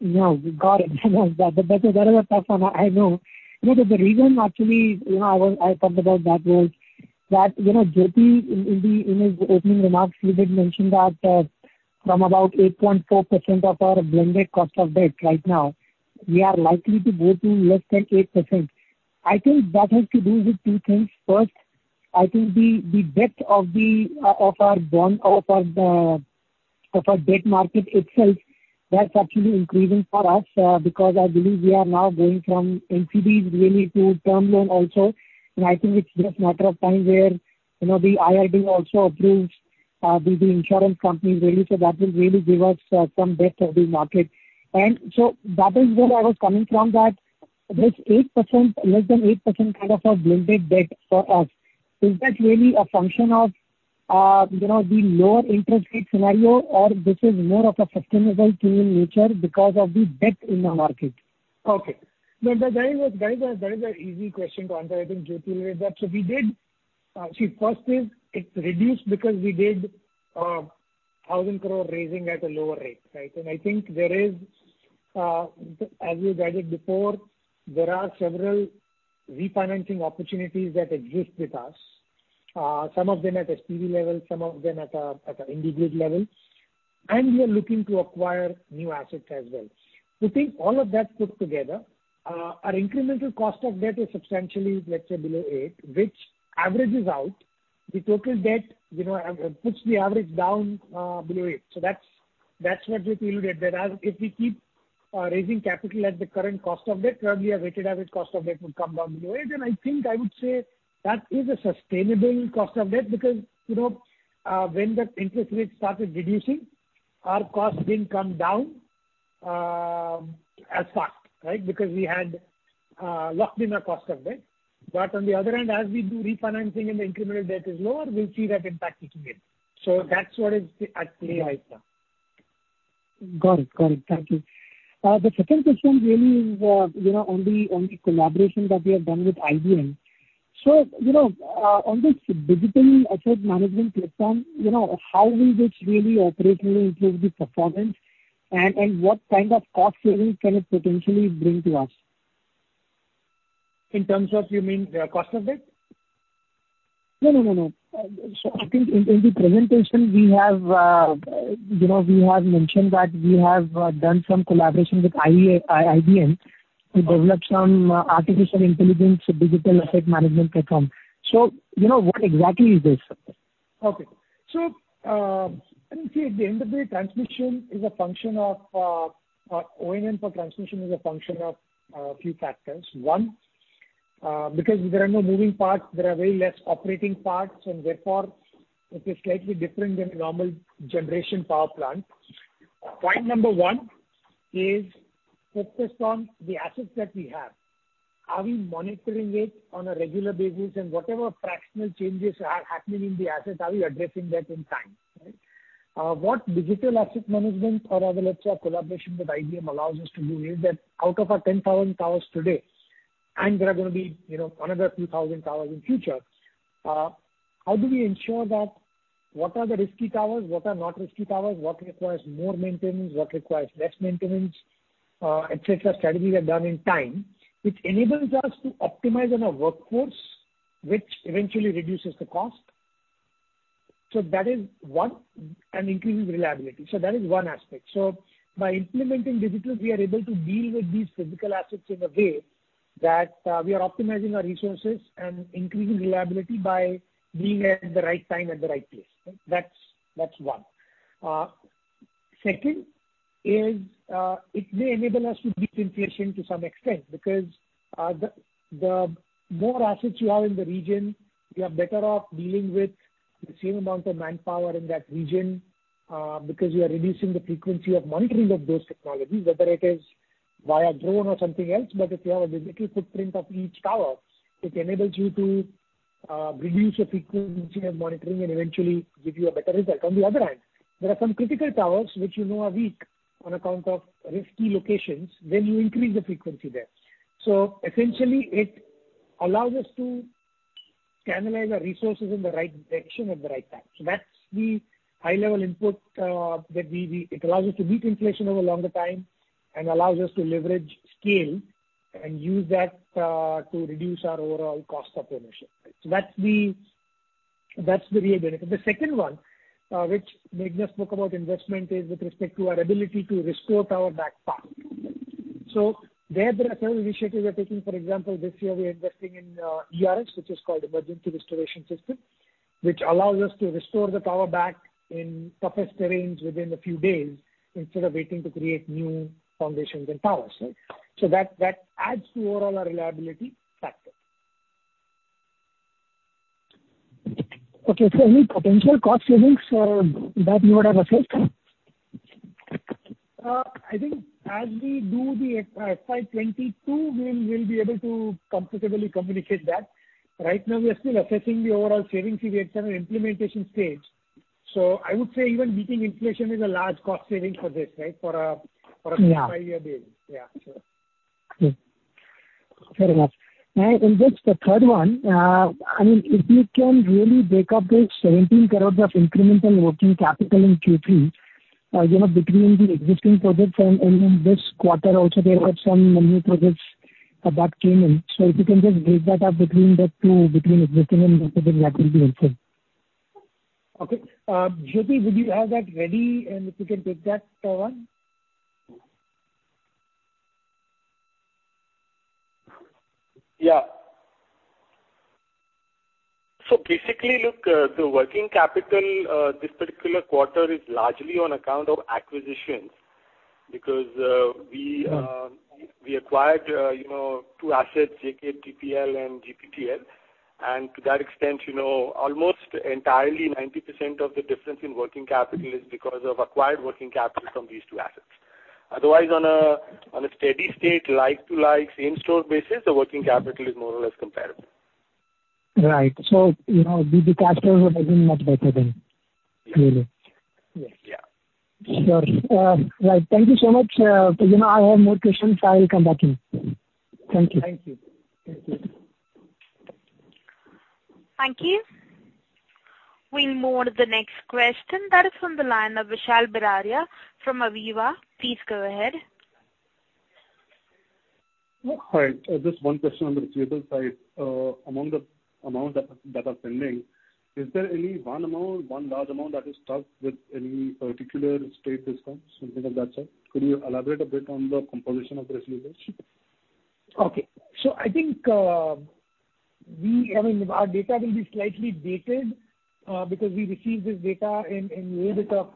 Now, got it. That's another tough one, I know. The reason actually I thought about that was that Jyoti in his opening remarks, he did mention that from about 8.4% of our blended cost of debt right now, we are likely to go to less than 8%. I think that has to do with two things. First, I think the depth of our debt market itself, that's actually increasing for us because I believe we are now going from NCDs really to term loan also. I think it's just matter of time where the IRDAI also approves the insurance company really. That will really give us some depth of the market. That is where I was coming from that this less than 8% kind of a blended debt for us. Is that really a function of the lower interest rate scenario, or this is more of a sustainable thing in nature because of the debt in the market? Okay. That is a very easy question to answer. I think Jyoti will raise that. First is it reduced because we did a 1,000 crore raising at a lower rate, right? I think, as we guided before, there are several refinancing opportunities that exist with us. Some of them at SPV level, some of them at an individual level. We are looking to acquire new assets as well. We think all of that put together, our incremental cost of debt is substantially, let's say, below eight, which averages out the total debt, puts the average down below 8%. That's what we feel that if we keep raising capital at the current cost of debt, currently our weighted average cost of debt would come down below 8%. I think I would say that is a sustainable cost of debt because when that interest rate started reducing, our costs didn't come down as fast, right? We had locked in our cost of debt. On the other hand, as we do refinancing and the incremental debt is lower, we'll see that impact kicking in. That's what is at play right now. Got it. Thank you. The second question really is on the collaboration that we have done with IBM. On this digital asset management platform, how will this really operationally improve the performance and what kind of cost savings can it potentially bring to us? In terms of, you mean the cost of debt? No. I think in the presentation we have mentioned that we have done some collaboration with IBM to develop some artificial intelligence, digital asset management platform. What exactly is this? Let me see, at the end of the day, O&M for transmission is a function of a few factors. One, because there are no moving parts, there are way less operating parts, and therefore, it is slightly different than a normal generation power plant. Point number one is focused on the assets that we have. Are we monitoring it on a regular basis? Whatever fractional changes are happening in the asset, are we addressing that in time, right? What digital asset management or our collaboration with IBM allows us to do is that out of our 10,000 towers today, there are going to be another few thousand towers in future, how do we ensure that what are the risky towers, what are not risky towers, what requires more maintenance, what requires less maintenance, etc. Strategies are done in time, which enables us to optimize on our workforce, which eventually reduces the cost. That is one and increases reliability. That is one aspect. By implementing digital, we are able to deal with these physical assets in a way that we are optimizing our resources and increasing reliability by being at the right time at the right place. That's one. Second is it may enable us to beat inflation to some extent because the more assets you have in the region, you are better off dealing with the same amount of manpower in that region, because you are reducing the frequency of monitoring of those technologies, whether it is via drone or something else. If you have a digital footprint of each tower, it enables you to reduce the frequency of monitoring and eventually give you a better result. There are some critical towers which you know are weak on account of risky locations. You increase the frequency there. Essentially it allows us to channelize our resources in the right direction at the right time. That's the high level input. It allows us to beat inflation over a longer time and allows us to leverage scale and use that to reduce our overall cost of ownership. That's the real benefit. The second one, which Meghana spoke about investment is with respect to our ability to restore power back fast. There are several initiatives we are taking. For example, this year we are investing in ERS, which is called Emergency Restoration System, which allows us to restore the tower back in toughest terrains within a few days instead of waiting to create new foundations and towers. That adds to overall our reliability factor. Okay. Any potential cost savings for that you would have assessed? I think as we do the FY 2022, we will be able to comfortably communicate that. Right now we are still assessing the overall savings. We are at an implementation stage. I would say even beating inflation is a large cost saving for this, right? Yeah. For a five-year basis. Yeah. Fair enough. Just the third one, if you can really break up those 17 crores of incremental working capital in Q3 between the existing projects and in this quarter also there were some new projects that came in. If you can just break that up between the two, between existing and new projects, that will be helpful. Okay. Jyoti, would you have that ready? If you can take that one. Yeah. Basically, look, the working capital this particular quarter is largely on account of acquisitions because we acquired two assets, JKTPL and GPTL. To that extent almost entirely 90% of the difference in working capital is because of acquired working capital from these two assets. Otherwise, on a steady state like-to-like same store basis, the working capital is more or less comparable. Right. Maybe cash flow is looking much better then, clearly. Yes. Sure. Right. Thank you so much. I have more questions. I will come back to you. Thank you. Thank you. Thank you. We will move on to the next question. That is from the line of Vishal Biraia from Aviva. Please go ahead. Hi. Just one question on the receivables side. Among the amounts that are pending, is there any one large amount that is stuck with any particular state discoms, anything of that sort? Could you elaborate a bit on the composition of those receivables? Okay. I think our data will be slightly dated because we receive this data in a little bit of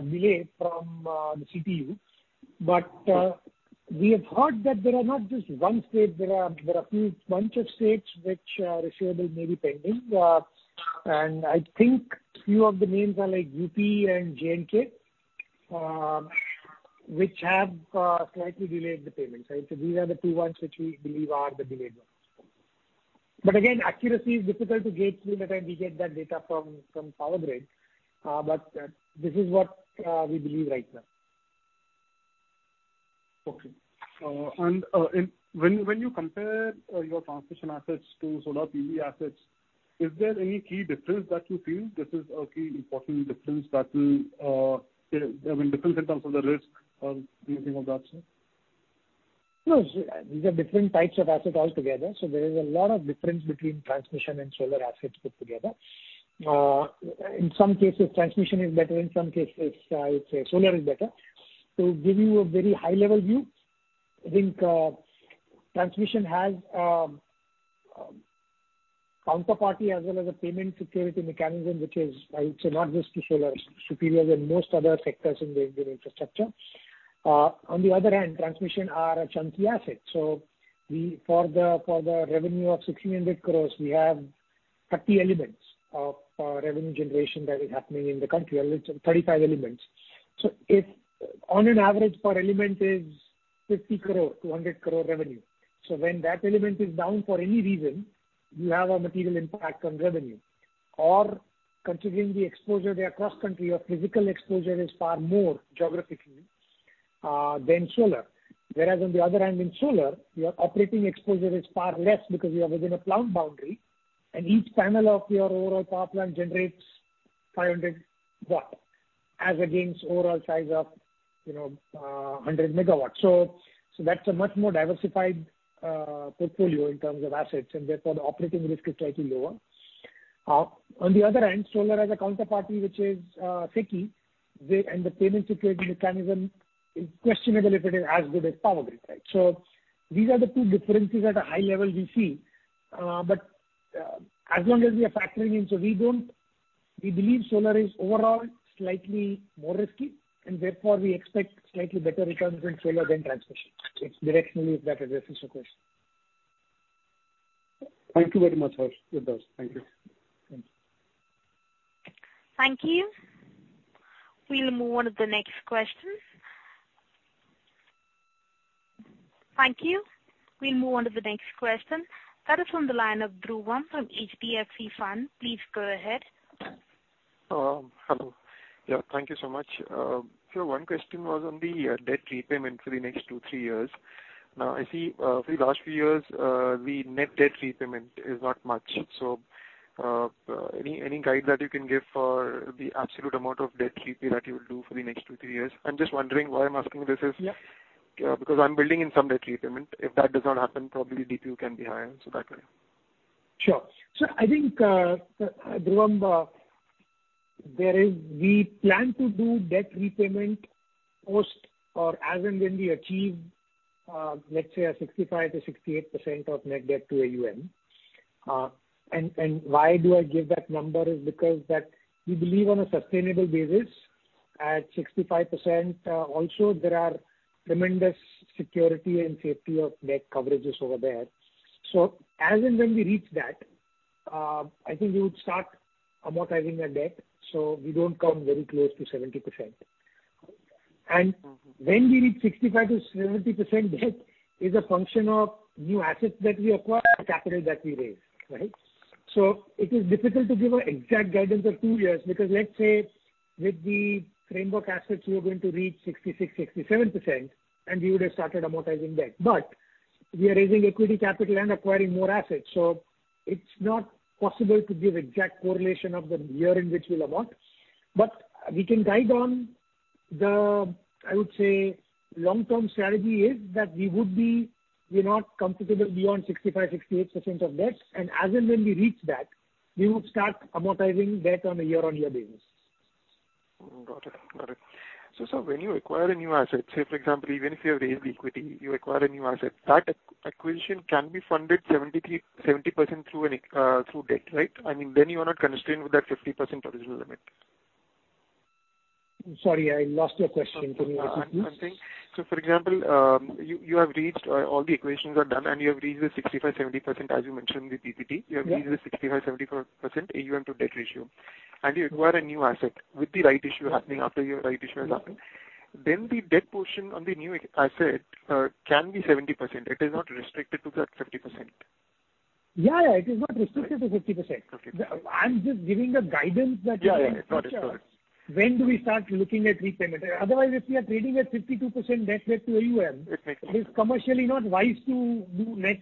a delay from the CTU. We have heard that there are not just one state, there are a few bunch of states which receivables may be pending. I think few of the names are like UP and J&K, which have slightly delayed the payments. I would say these are the two ones which we believe are the delayed ones. Again, accuracy is difficult to gauge till the time we get that data from Power Grid. This is what we believe right now. Okay. When you compare your transmission assets to solar PE assets, is there any key difference that you feel this is a key important difference in terms of the risk or anything of that sort? No. These are different types of assets altogether. There is a lot of difference between transmission and solar assets put together. In some cases, transmission is better, in some cases solar is better. To give you a very high level view, I think transmission has a counterparty as well as a payment security mechanism, which is, I would say, not just to solar, superior than most other sectors in the Indian infrastructure. On the other hand, transmission are a chunky asset. For the revenue of 600 crore, we have 30 elements of revenue generation that is happening in the country. Let's say 35 elements. On an average per element is 50 crore, 200 crore revenue. When that element is down for any reason, you have a material impact on revenue. Considering the exposure there across country, your physical exposure is far more geographically than solar. Whereas on the other hand, in solar, your operating exposure is far less because you are within a plant boundary, and each panel of your overall power plant generates 500 W as against overall size of 100 MW. That's a much more diversified portfolio in terms of assets, and therefore the operating risk is slightly lower. On the other hand, solar has a counterparty which is sticky, and the payment security mechanism is questionable if it is as good as Power Grid, right? These are the two differences at a high level we see. As long as we are factoring in, we believe solar is overall slightly more risky, and therefore we expect slightly better returns in solar than transmission. Directionally, if that addresses your question. Thank you very much, Harsh. With that, thank you. Thanks. Thank you. We will move on to the next question. That is from the line of Dhruvam from HDFC Fund. Please go ahead. Hello. Thank you so much. Sir, one question was on the debt repayment for the next two, three years. Now, I see for the last few years, the net debt repayment is not much. Any guide that you can give for the absolute amount of debt repay that you will do for the next two, three years? I'm just wondering. Why I'm asking this is because I'm building in some debt repayment. If that does not happen, probably if it can be higher, so that way. Sure. I think, Dhruvam, we plan to do debt repayment post or as and when we achieve, let's say a 65%-68% of net debt to AUM. Why do I give that number is because that we believe on a sustainable basis at 65%, also there are tremendous security and safety of debt coverages over there. As and when we reach that, I think we would start amortizing our debt, so we don't come very close to 70%. When we reach 65%-70% debt is a function of new assets that we acquire and capital that we raise, right? It is difficult to give an exact guidance of two years because let's say with the framework assets, we are going to reach 66%, 67%, and we would have started amortizing debt. We are raising equity capital and acquiring more assets. It's not possible to give exact correlation of the year in which we'll amortize. We can guide on the, I would say, long-term strategy is that we're not comfortable beyond 65%, 68% of debt, and as and when we reach that, we would start amortizing debt on a year-on-year basis. Got it. Sir, when you acquire a new asset, say for example, even if you have raised equity, you acquire a new asset, that acquisition can be funded 70% through debt, right? I mean, then you are not constrained with that 50% original limit. Sorry, I lost your question. Can you repeat, please? I'm saying, so for example you have reached, all the acquisitions are done, and you have reached the 65%, 70%, as you mentioned in the DPT. Yeah. You have reached the 65%, 70% AUM to debt ratio. You acquire a new asset with the rights issue happening after your rights issue has happened. Then, the debt portion on the new asset can be 70%. It is not restricted to that 50%. Yeah, it is not restricted to 50%. Okay. I'm just giving a guidance. Yeah. Got it. When do we start looking at repayment. Otherwise, if we are trading at 52% debt rate to AUM. Exactly. It is commercially not wise to do net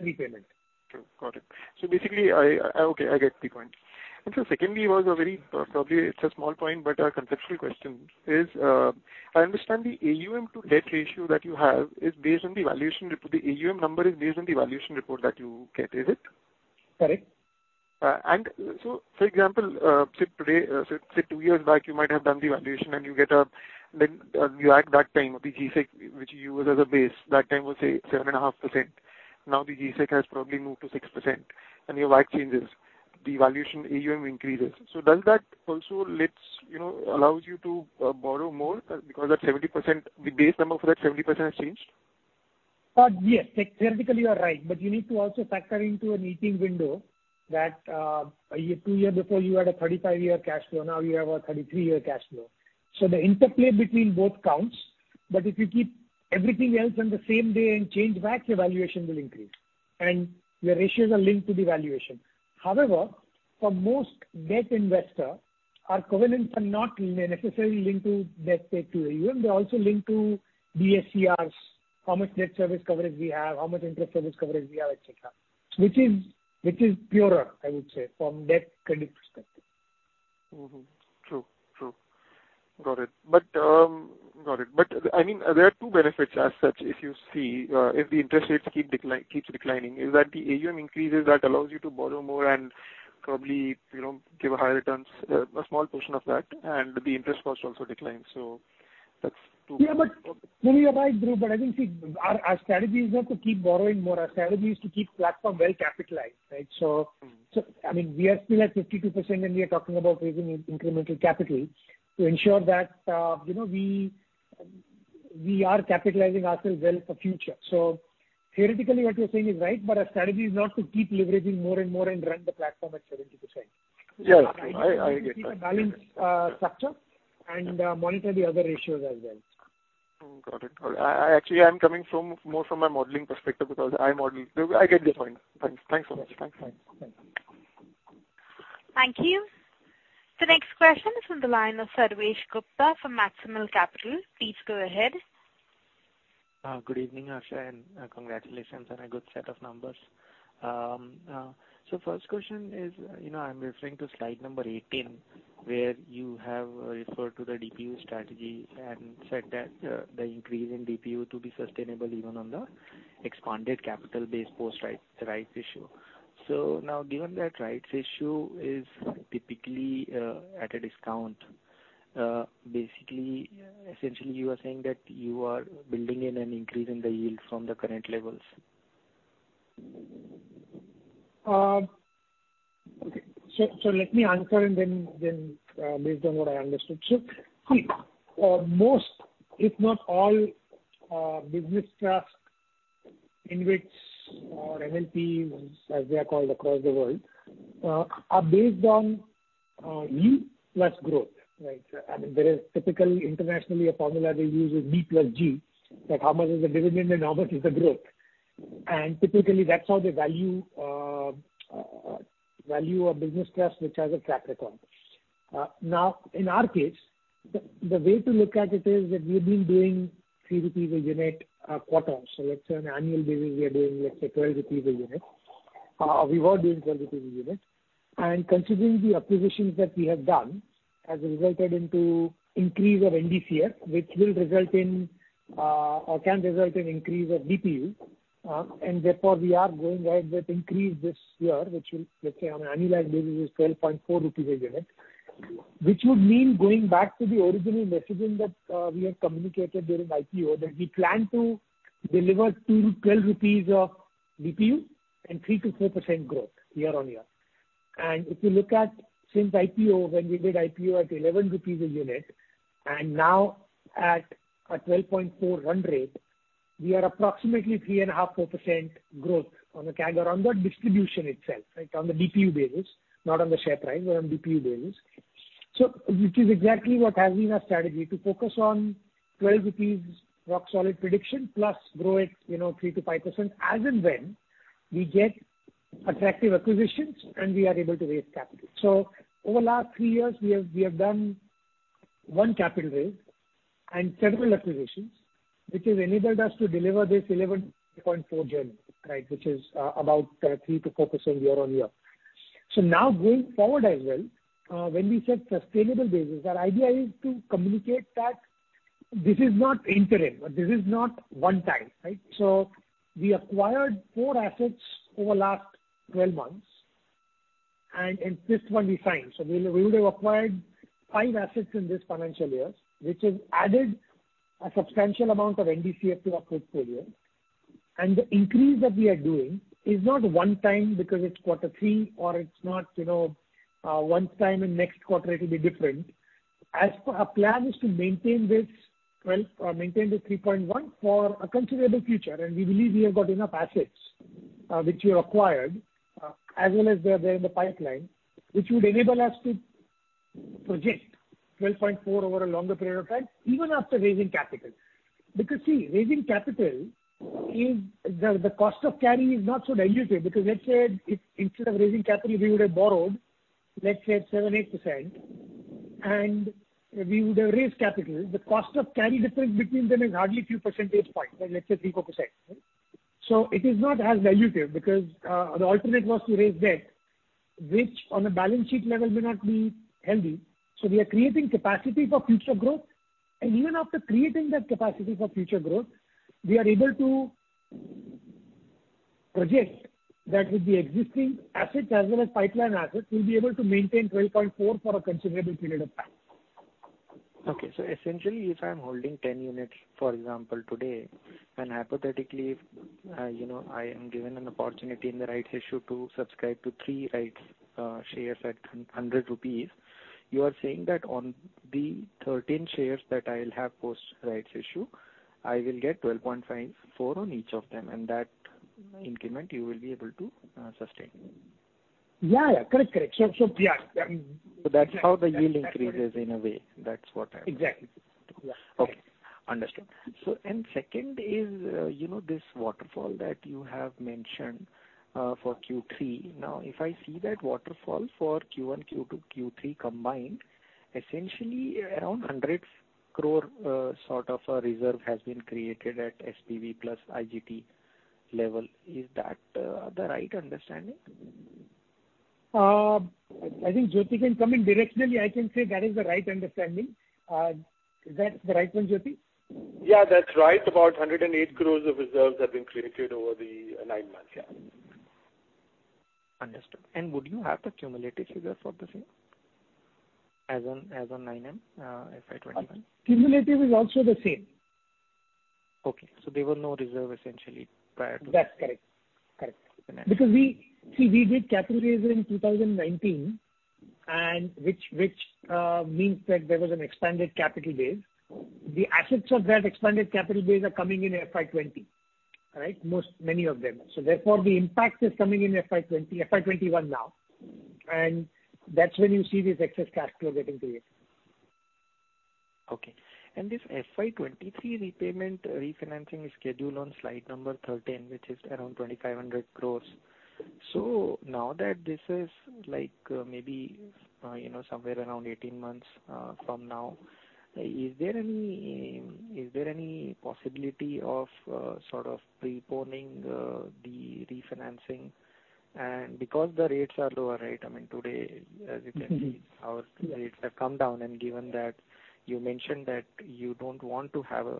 repayment. True. Got it. Basically, okay, I get the point. Secondly was a very, probably it's a small point, but a conceptual question is, I understand the AUM to debt ratio that you have is based on the valuation report. The AUM number is based on the valuation report that you get, is it? Correct. For example, say two years back, you might have done the valuation and you at that time, the G-sec, which you use as a base, that time was, say, 7.5%. Now the G-sec has probably moved to 6% and your right changes. The valuation AUM increases. Does that also allows you to borrow more because the base number for that 70% has changed? Yes. Theoretically, you are right, but you need to also factor into a meeting window that two year before you had a 35 year cash flow, now you have a 33 year cash flow. The interplay between both counts, but if you keep everything else on the same day and change back, your valuation will increase and your ratios are linked to the valuation. However, for most debt investor, our covenants are not necessarily linked to debt paid to AUM. They're also linked to DSCRs, how much net service coverage we have, how much interest service coverage we have, et cetera, which is purer, I would say, from debt credit perspective. True. Got it. There are two benefits as such if you see. If the interest rates keeps declining, is that the AUM increases, that allows you to borrow more and probably give a higher returns, a small portion of that, and the interest cost also declines. You are right, Dhruvam. I think, see, our strategy is not to keep borrowing more. Our strategy is to keep platform well capitalized, right? We are still at 52%, and we are talking about raising incremental capital to ensure that we are capitalizing ourselves well for future. Theoretically, what you're saying is right, but our strategy is not to keep leveraging more and more and run the platform at 70%. Yes. I get that. We keep a balanced structure and monitor the other ratios as well. Got it. Actually, I'm coming more from a modeling perspective because I model. I get your point. Thanks so much. Thanks. Thank you. The next question is from the line of Sarvesh Gupta from Maximal Capital. Please go ahead. Good evening, Harsh, and congratulations on a good set of numbers. First question is, I'm referring to slide number 18 where you have referred to the DPU strategy and said that the increase in DPU to be sustainable even on the expanded capital base post rights issue. Now given that rights issue is typically at a discount. Basically, essentially you are saying that you are building in an increase in the yield from the current levels? Okay. Let me answer and then based on what I understood. See, most if not all business trusts, InvITs or MLP as they are called across the world, are based on yield plus growth, right? There is typically internationally a formula they use is D+G. That how much is the dividend and how much is the growth. Typically, that's how they value a business trust which has a track record. Now, in our case, the way to look at it is that we've been doing 3 rupees per unit, quarter on. Let's say on annual basis, we are doing, let's say 12 rupees per unit. We were doing 12 rupees per unit. Considering the acquisitions that we have done, has resulted into increase of NDCF, which will result in or can result in increase of DPU. Therefore, we are going ahead with increase this year, which will, let's say on an annualized basis is 12.4 rupees per unit. Which would mean going back to the original messaging that we have communicated during IPO, that we plan to deliver 12 rupees of DPU and 3%-4% growth year-on-year. If you look at since IPO, when we did IPO at 11 rupees a unit, and now at an 12.4 run rate, we are approximately 3.5%-4% growth on the CAGR on the distribution itself, right? On the DPU basis, not on the share price, but on DPU basis. Which is exactly what has been our strategy, to focus on 12 rupees rock solid prediction plus grow it 3%-5% as and when we get attractive acquisitions and we are able to raise capital. Over last three years, we have done one capital raise and several acquisitions, which has enabled us to deliver this 12.4 DPU journey, which is about 3%-4% year-on-year. Now going forward as well, when we said sustainable basis, our idea is to communicate that this is not interim. This is not one time. We acquired four assets over last 12 months and in this one we signed. We would have acquired five assets in this financial year, which has added a substantial amount of NDCF to our portfolio. The increase that we are doing is not one time because it's quarter three or it's not one time and next quarter it'll be different. Our plan is to maintain this 12 or maintain this 3.1 DPU for a considerable future, and we believe we have got enough assets which we have acquired, as well as they're in the pipeline, which would enable us to project 12.4 DPU over a longer period of time, even after raising capital. See, raising capital, the cost of carry is not so dilutive. Let's say, if instead of raising capital, we would have borrowed, let's say at 7%-8%, and we would have raised capital. The cost of carry difference between them is hardly few percentage points, let's say 3%-4%. It is not as dilutive because the alternate was to raise debt, which on a balance sheet level may not be healthy. We are creating capacity for future growth. Even after creating that capacity for future growth, we are able to project that with the existing assets as well as pipeline assets, we'll be able to maintain 12.4 DPU for a considerable period of time. Essentially, if I'm holding 10 units, for example, today, and hypothetically, I am given an opportunity in the rights issue to subscribe to three rights shares at 100 rupees, you are saying that on the 13 shares that I'll have post rights issue, I will get 12.4 DPU on each of them, and that increment you will be able to sustain. Yeah. Correct. That's how the yield increases in a way. Exactly. Yeah. Okay. Understood. Second is, this waterfall that you have mentioned for Q3. If I see that waterfall for Q1, Q2, Q3 combined, essentially around 100 crore, sort of a reserve has been created at SPV plus IGT level. Is that the right understanding? I think Jyoti can come in. Directionally, I can say that is the right understanding. Is that the right one, Jyoti? Yeah, that's right. About 108 crores of reserves have been created over the nine months. Yeah. Understood. Would you have the cumulative figure for the same as on FY 2021? Cumulative is also the same. Okay. There were no reserve essentially prior to that. That's correct. Okay. See, we did capital raise in 2019, which means that there was an expanded capital base. The assets of that expanded capital base are coming in FY 2020. Most, many of them. Therefore, the impact is coming in FY 2021 now, that's when you see this excess cash accumulating there. Okay. This FY 2023 repayment refinancing schedule on slide number 13, which is around 2,500 crore. Now that this is maybe somewhere around 18 months from now, is there any possibility of sort of preponing the refinancing? Because the rates are lower. I mean, today, as you can see, our rates have come down, and given that you mentioned that you don't want to have a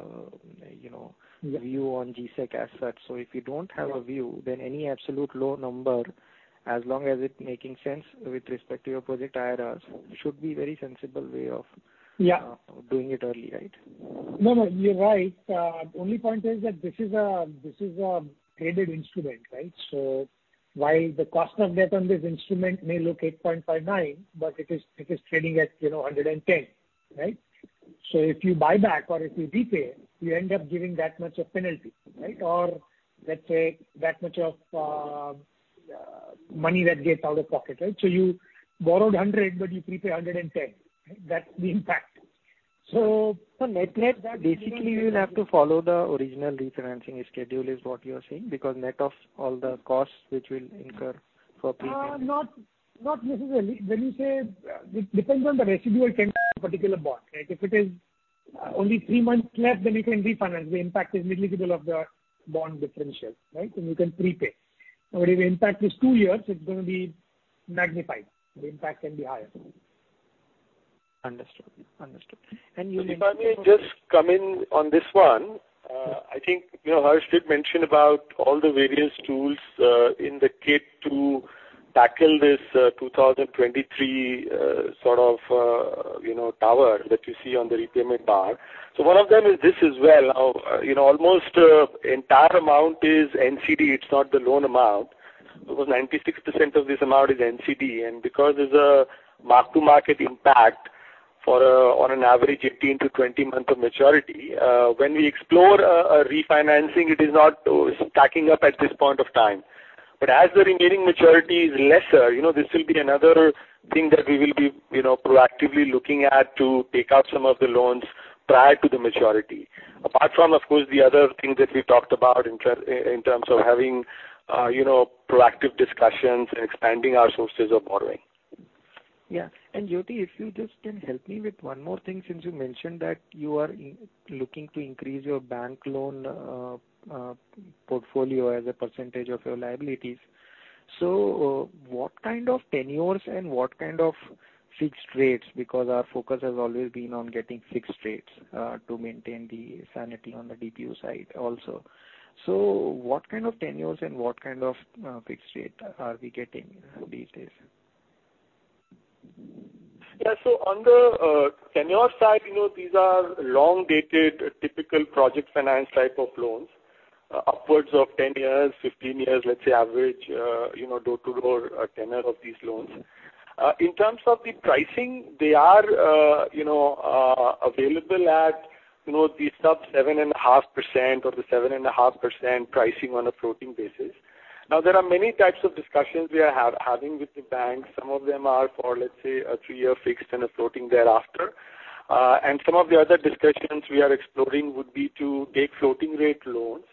view on G-sec assets. If you don't have a view, then any absolute low number, as long as it's making sense with respect to your project IRRs, should be very sensible way. Yeah. Doing it early, right? No, you're right. Only point is that this is a traded instrument, right? While the cost of debt on this instrument may look 8.59%, but it is trading at 110%, right? If you buy back or if you prepay, you end up giving that much of penalty. Let's say that much of money that gets out of pocket. You borrowed 100, but you prepay 110. That's the impact. Net net, basically you will have to follow the original refinancing schedule, is what you are saying? Net of all the costs which will incur for prepay. Not necessarily. It depends on the residual tenure of a particular bond, right? If it is only three months left, then you can refinance. The impact is negligible of the bond differential, and you can prepay. If the impact is two years, it's going to be magnified. The impact can be higher. Understood. If I may just come in on this one. I think Harsh did mention about all the various tools in the kit to tackle this 2023 sort of tower that you see on the repayment bar. One of them is this as well. Almost entire amount is NCD. It is not the loan amount. Because 96% of this amount is NCD, and because there is a mark-to-market impact on an average 18-20 month of maturity, when we explore a refinancing, it is not stacking up at this point of time. As the remaining maturity is lesser, this will be another thing that we will be proactively looking at to take out some of the loans prior to the maturity. Apart from, of course, the other thing that we talked about in terms of having proactive discussions and expanding our sources of borrowing. Yeah. Jyoti, if you just can help me with one more thing, since you mentioned that you are looking to increase your bank loan portfolio as a percentage of your liabilities. What kind of tenures and what kind of fixed rates, because our focus has always been on getting fixed rates, to maintain the sanity on the DPU side also. What kind of tenures and what kind of fixed rate are we getting these days? Yeah. On the tenure side, these are long-dated typical project finance type of loans, upwards of 10 years, 15 years, let's say average, door-to-door tenure of these loans. In terms of the pricing, they are available at The sub 7.5% or the 7.5% pricing on a floating basis. There are many types of discussions we are having with the banks. Some of them are for, let's say, a three-year fixed and a floating thereafter. Some of the other discussions we are exploring would be to take floating rate loans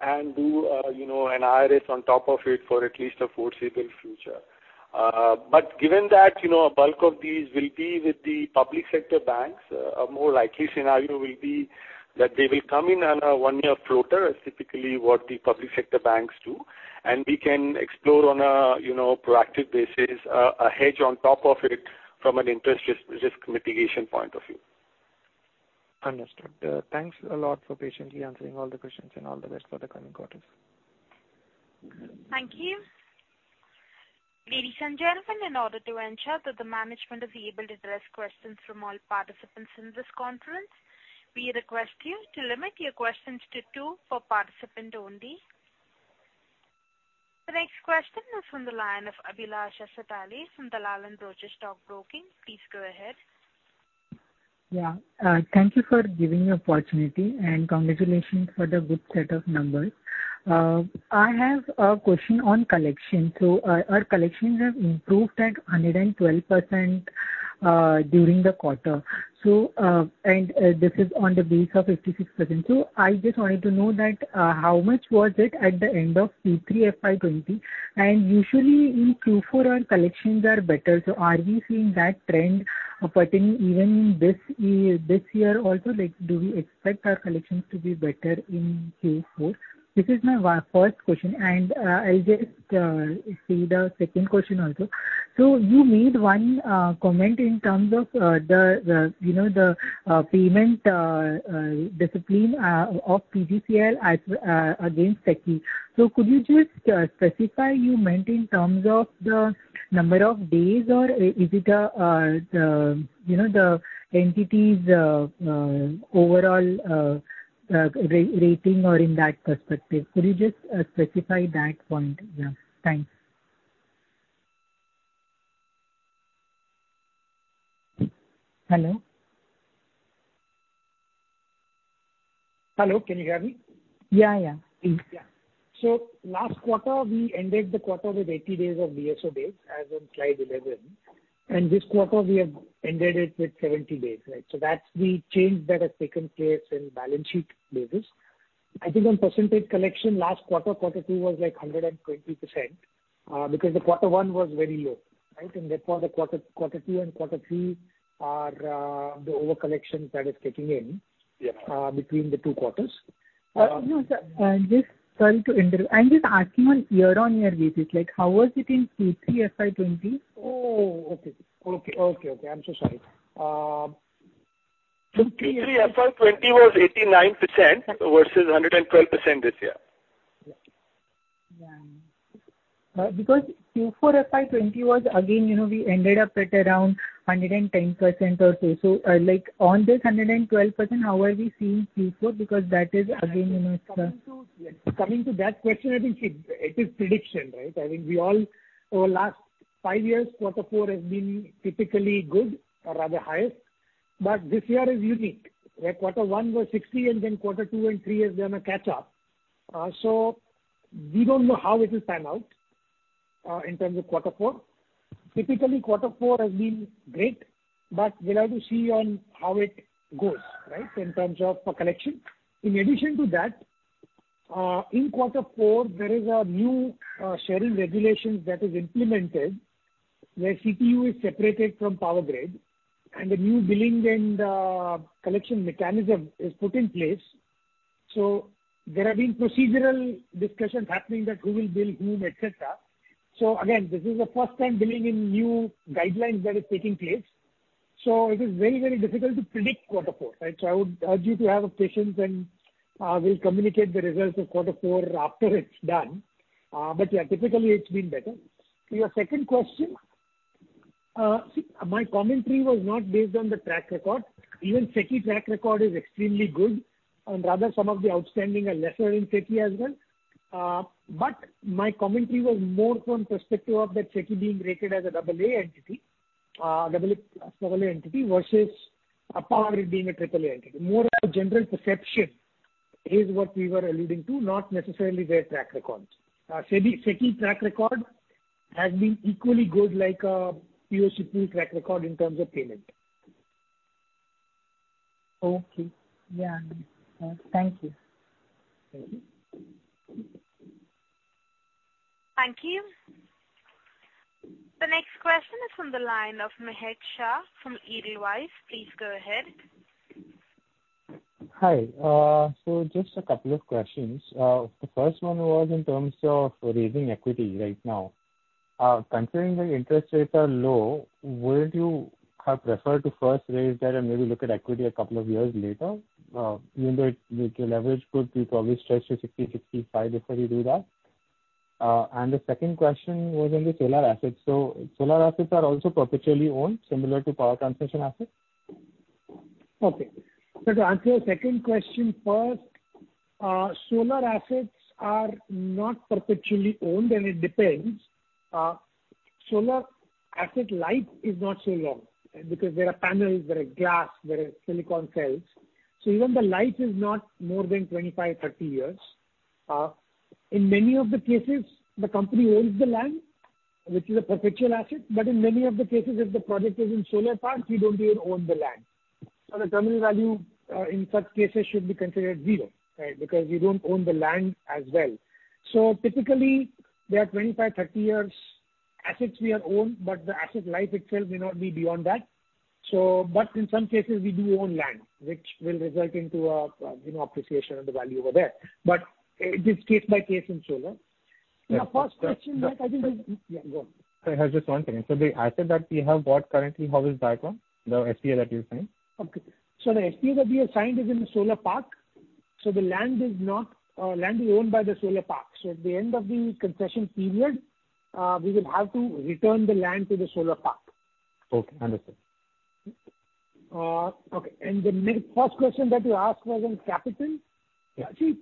and do an IRS on top of it for at least the foreseeable future. Given that, a bulk of these will be with the public sector banks. A more likely scenario will be that they will come in on a one-year floater as typically what the public sector banks do, and we can explore on a proactive basis, a hedge on top of it from an interest risk mitigation point of view. Understood. Thanks a lot for patiently answering all the questions and all the best for the coming quarters. Thank you. Ladies and gentlemen, in order to ensure that the management is able to address questions from all participants in this conference, we request you to limit your questions to two per participant only. The next question is from the line of Abhilasha Satale from Dalal & Broacha Stock Broking. Please go ahead. Yeah. Thank you for giving me opportunity and congratulations for the good set of numbers. I have a question on collection. Our collections have improved at 112% during the quarter. This is on the base of 56%. I just wanted to know that, how much was it at the end of Q3 FY 2020? Usually in Q4, our collections are better. Are we seeing that trend pertaining even in this year also? Do we expect our collections to be better in Q4? This is my first question, and I'll just say the second question also. You made one comment in terms of the payment discipline of PGCIL against SECI. Could you just specify, you meant in terms of the number of days or is it the entity's overall rating or in that perspective? Could you just specify that point? Yeah. Thanks. Hello? Hello, can you hear me? Yeah. Please. Last quarter, we ended the quarter with 80 days of DSO days as on slide 11. This quarter, we have ended it with 70 days. That's the change that has taken place in balance sheet basis. I think on percentage collection last quarter two was like 120%, because the quarter one was very low. Therefore the quarter two and quarter three are the over collection that is kicking in between the two quarters. No, sir. Sorry to interrupt. I'm just asking on year-on-year basis, like how was it in Q3 FY 2020? Oh, okay. I'm so sorry. In Q3 FY 2020 was 89% versus 112% this year. Yeah. Q4 FY 2020 was again, we ended up at around 110% or so. On this 112%, how are we seeing Q4? Coming to that question, I think it is prediction, right? I think we all, for last five years, quarter four has been typically good or rather highest. This year is unique, where quarter one was 60 and then quarter two and three has been a catch up. We don't know how it will pan out, in terms of quarter four. Typically, quarter four has been great, but we'll have to see on how it goes, right? In terms of collection. In addition to that, in quarter four, there is a new scheduling regulation that is implemented where CTU is separated from Power Grid and the new billing and collection mechanism is put in place. There have been procedural discussions happening that who will bill whom, et cetera. Again, this is the first time billing in new guidelines that is taking place. It is very difficult to predict quarter four, right? I would urge you to have patience and we'll communicate the results of quarter four after it's done. Typically it's been better. To your second question, my commentary was not based on the track record. Even SECI track record is extremely good, and rather some of the outstanding are lesser in SECI as well. My commentary was more from perspective of the SECI being rated as a AA entity versus a Power Grid being a AAA entity. More a general perception is what we were alluding to, not necessarily their track records. SECI track record has been equally good like a PoC track record in terms of payment. Okay. Yeah. Thank you. Thank you. Thank you. The next question is from the line of Mahek Shah from Edelweiss. Please go ahead. Hi. Just a couple of questions. The first one was in terms of raising equity right now. Considering the interest rates are low, wouldn't you have preferred to first raise that and maybe look at equity a couple of years later? Even though your leverage could be probably stretched to 50%, 65% before you do that. The second question was on the solar assets. Solar assets are also perpetually owned similar to power transmission assets? Okay. To answer your second question first. Solar assets are not perpetually owned, and it depends. Solar asset life is not so long because there are panels, there are glass, there are silicon cells. Even the life is not more than 25, 30 years. In many of the cases, the company owns the land, which is a perpetual asset, but in many of the cases, if the project is in solar park, we don't even own the land. The terminal value in such cases should be considered zero, because we don't own the land as well. Typically, there are 25, 30 years assets we own, but the asset life itself may not be beyond that. In some cases, we do own land, which will result into appreciation of the value over there. It is case by case in solar. The first question that I think. Yeah, go on. I have just one thing. The asset that we have bought currently, how is background, the SPA that you're saying? Okay. The SPA that we have signed is in the solar park. The land is owned by the solar park. At the end of the concession period, we will have to return the land to the solar park. Okay, understood. Okay. The first question that you asked was on capital. Yeah. See,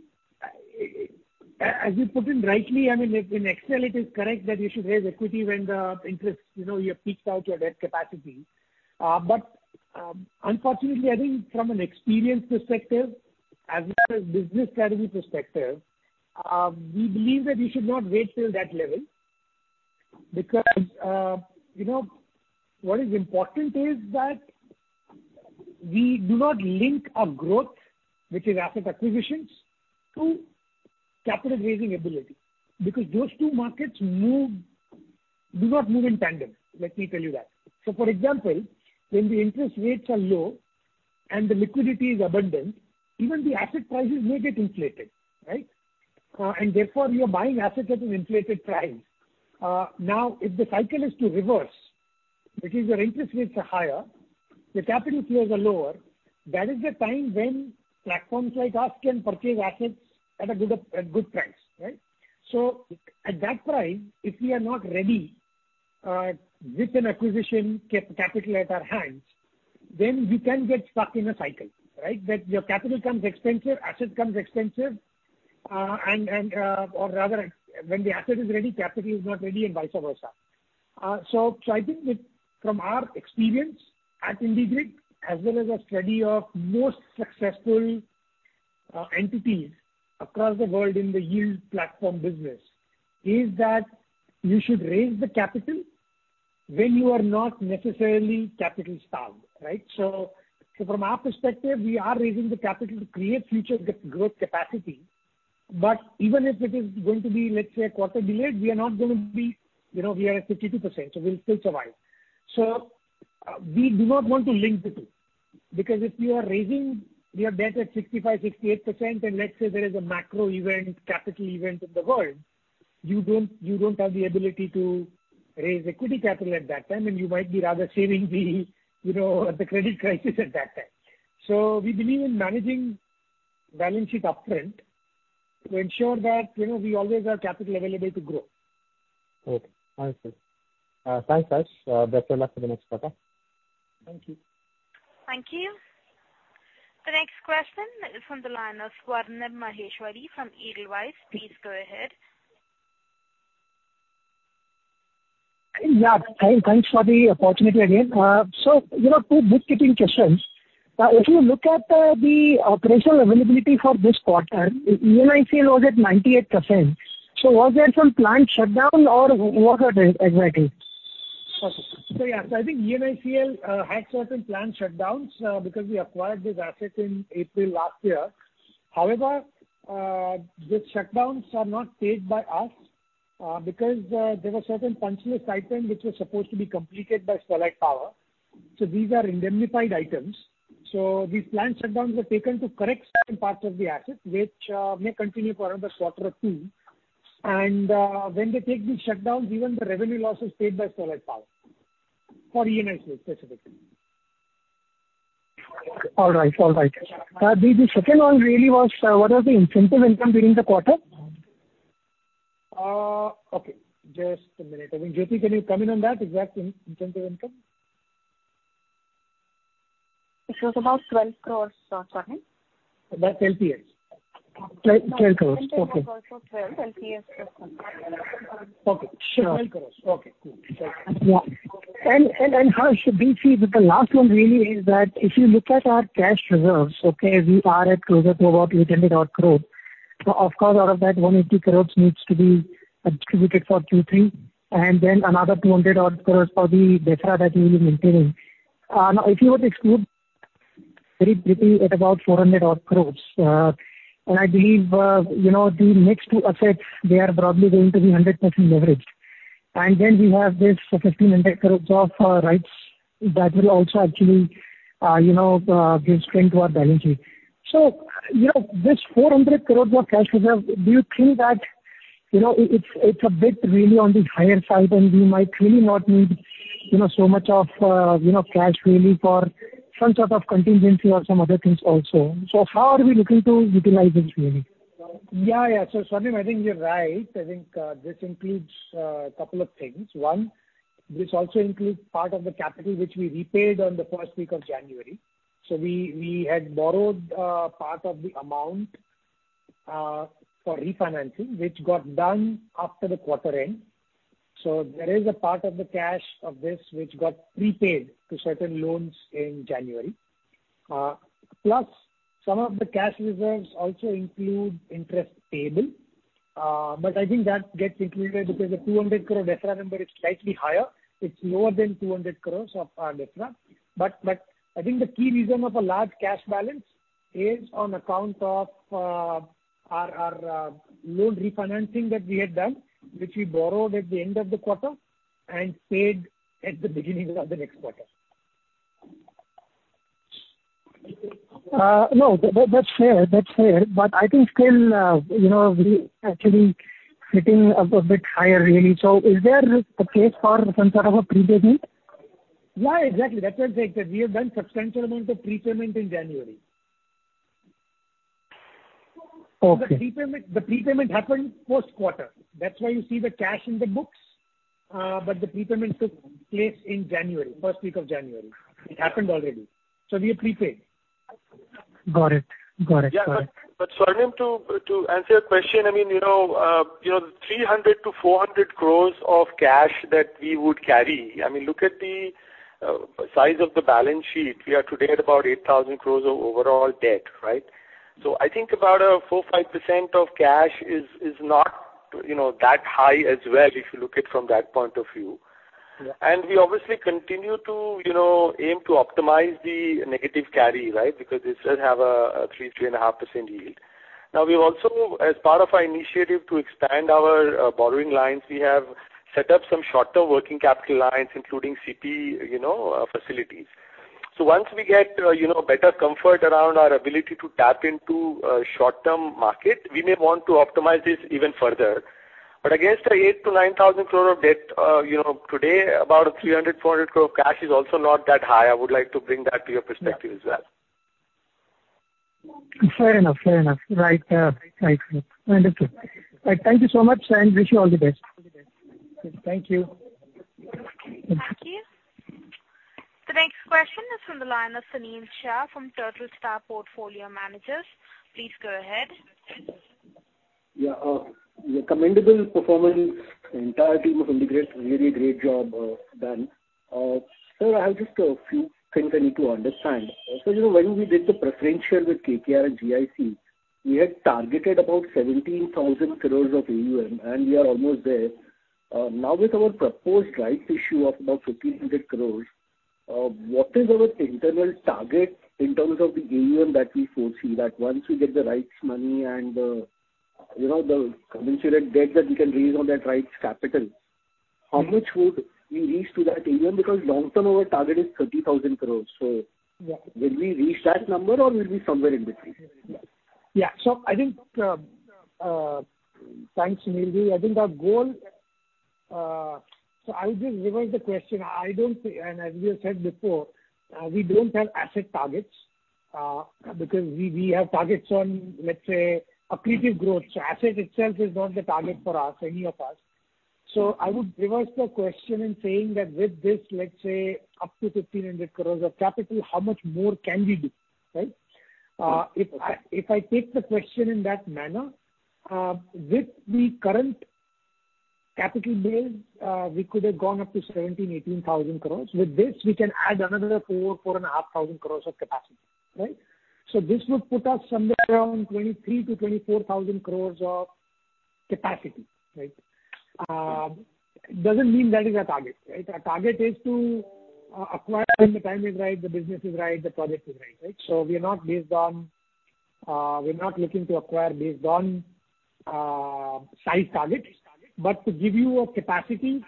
as you put it rightly, I mean, in Excel, it is correct that you should raise equity when the interest, you have peaked out your debt capacity. Unfortunately, I think from an experience perspective as well as business strategy perspective, we believe that we should not wait till that level because what is important is that we do not link our growth, which is asset acquisitions, to capital raising ability because those two markets do not move in tandem, let me tell you that. For example, when the interest rates are low and the liquidity is abundant, even the asset prices may get inflated. Right? Therefore you are buying assets at an inflated price. If the cycle is to reverse, which is your interest rates are higher, the capital flows are lower, that is the time when platforms like us can purchase assets at good price. Right. At that price, if we are not ready with an acquisition capital at our hands, then we can get stuck in a cycle. That your capital comes expensive, asset comes expensive, or rather when the asset is ready, capital is not ready and vice versa. I think from our experience at IndiGrid as well as a study of most successful entities across the world in the yield platform business, is that you should raise the capital when you are not necessarily capital starved. From our perspective, we are raising the capital to create future growth capacity. Even if it is going to be, let's say, a quarter delayed, we are at 52%, so we'll still survive. We do not want to link the two because if you are raising your debt at 65%, 68%, and let's say there is a macro event, capital event in the world, you don't have the ability to raise equity capital at that time, and you might be rather saving the credit crisis at that time. We believe in managing balance sheet upfront to ensure that we always have capital available to grow. Okay. Understood. Thanks, Harsh. Best of luck for the next quarter. Thank you. Thank you. The next question is from the line of Swarnim Maheshwari from Edelweiss. Please go ahead. Yeah. Thanks for the opportunity again. Two bookkeeping questions. If you look at the operational availability for this quarter, ENICL was at 98%. Was there some plant shutdown or what was it exactly? Yeah. I think ENICL had certain plant shutdowns because we acquired this asset in April last year. However, the shutdowns are not paid by us because there were certain punch list items which were supposed to be completed by Sterlite Power. These are indemnified items. These plant shutdowns were taken to correct certain parts of the asset which may continue for another quarter or two. When they take these shutdowns, even the revenue loss is paid by Sterlite Power. For ENICL specifically. All right. The second one really was, what was the incentive income during the quarter? Okay. Just a minute. I mean, Jyoti, can you come in on that exact incentive income? It was about 12 crores, Swarnim? It is 12 crores. INR 12 crores. Okay. It was also 12 crores just confirmed. Okay. INR 12 crores. Okay, cool. Thank you. Harsh, do you see that the last one really is that if you look at our cash reserves, we are at closer to about 800 crore. Out of that 150 crore needs to be distributed for Q3 and then another 200 crore for the debt that we will be maintaining. If you were to exclude very briefly at about 400 crore, I believe the next two assets, they are probably going to be 100% leverage. We have this 1,500 crore of rights that will also actually give strength to our balance sheet. This 400 crore more cash reserve, do you think that it's a bit really on the higher side and we might really not need so much of cash really for some sort of contingency or some other things also. How are we looking to utilize this really? Yeah. Swarnim, I think you're right. I think this includes a couple of things. One. This also includes part of the capital which we repaid on the first week of January. We had borrowed part of the amount for refinancing, which got done after the quarter end. There is a part of the cash of this which got prepaid to certain loans in January. Some of the cash reserves also include interest payable. I think that gets included because the 200 crore DSRA number is slightly higher. It's lower than 200 crores of our DSRA. I think the key reason of a large cash balance is on account of our loan refinancing that we had done, which we borrowed at the end of the quarter and paid at the beginning of the next quarter. No, that's fair. I think still, we actually sitting a bit higher, really. Is there a case for some sort of a prepayment? Yeah, exactly. That's why I'm saying because we have done substantial amount of prepayment in January. Okay. The prepayment happened post quarter. That's why you see the cash in the books. The prepayment took place in January, first week of January. It happened already. We have prepaid. Got it. Yeah. Swarnim, to answer your question, 300 crores-400 crores of cash that we would carry. Look at the size of the balance sheet. We are today at about 8,000 crores of overall debt, right? I think about a 4%-5% of cash is not that high as well, if you look it from that point of view. Yeah. We obviously continue to aim to optimize the negative carry, right? Because it does have a 3%-3.5% yield. We've also, as part of our initiative to expand our borrowing lines, we have set up some shorter working capital lines, including CP facilities. Once we get better comfort around our ability to tap into short-term market, we may want to optimize this even further. Against the 8,000 crore-9,000 crore of debt today, about a 300 crore-400 crore cash is also not that high. I would like to bring that to your perspective as well. Fair enough. Right. Understood. Right. Thank you so much, and wish you all the best. Thank you. Thank you. The next question is from the line of Sunil Shah from Turtle Star Portfolio Managers. Please go ahead. Yeah. A commendable performance. Entire team of IndiGrid, really great job done. Sir, I have just a few things I need to understand. When we did the preferential with KKR and GIC, we had targeted about 17,000 crore of AUM, and we are almost there. Now with our proposed rights issue of about 1,500 crore, what is our internal target in terms of the AUM that we foresee that once we get the rights money and the commensurate debt that we can raise on that rights capital, how much would we reach to that AUM? Because long term, our target is 30,000 crore. Yeah. Will we reach that number or we'll be somewhere in between? Yeah. Thanks, Sunil. I think our goal. I would just reverse the question. As we have said before, we don't have asset targets, because we have targets on, let's say, accretive growth. Asset itself is not the target for us, any of us. I would reverse the question in saying that with this, let's say, up to 1,500 crores of capital, how much more can we do, right? Okay. If I take the question in that manner, with the current capital base, we could have gone up to 17,000-18,000 crore. With this, we can add another 4,000 crore-4,500 crore of capacity, right? This would put us somewhere around 23,000-24,000 crore of capacity, right? Doesn't mean that is our target, right? Our target is to acquire when the time is right, the business is right, the project is right. We're not looking to acquire based on size target. To give you a capacity,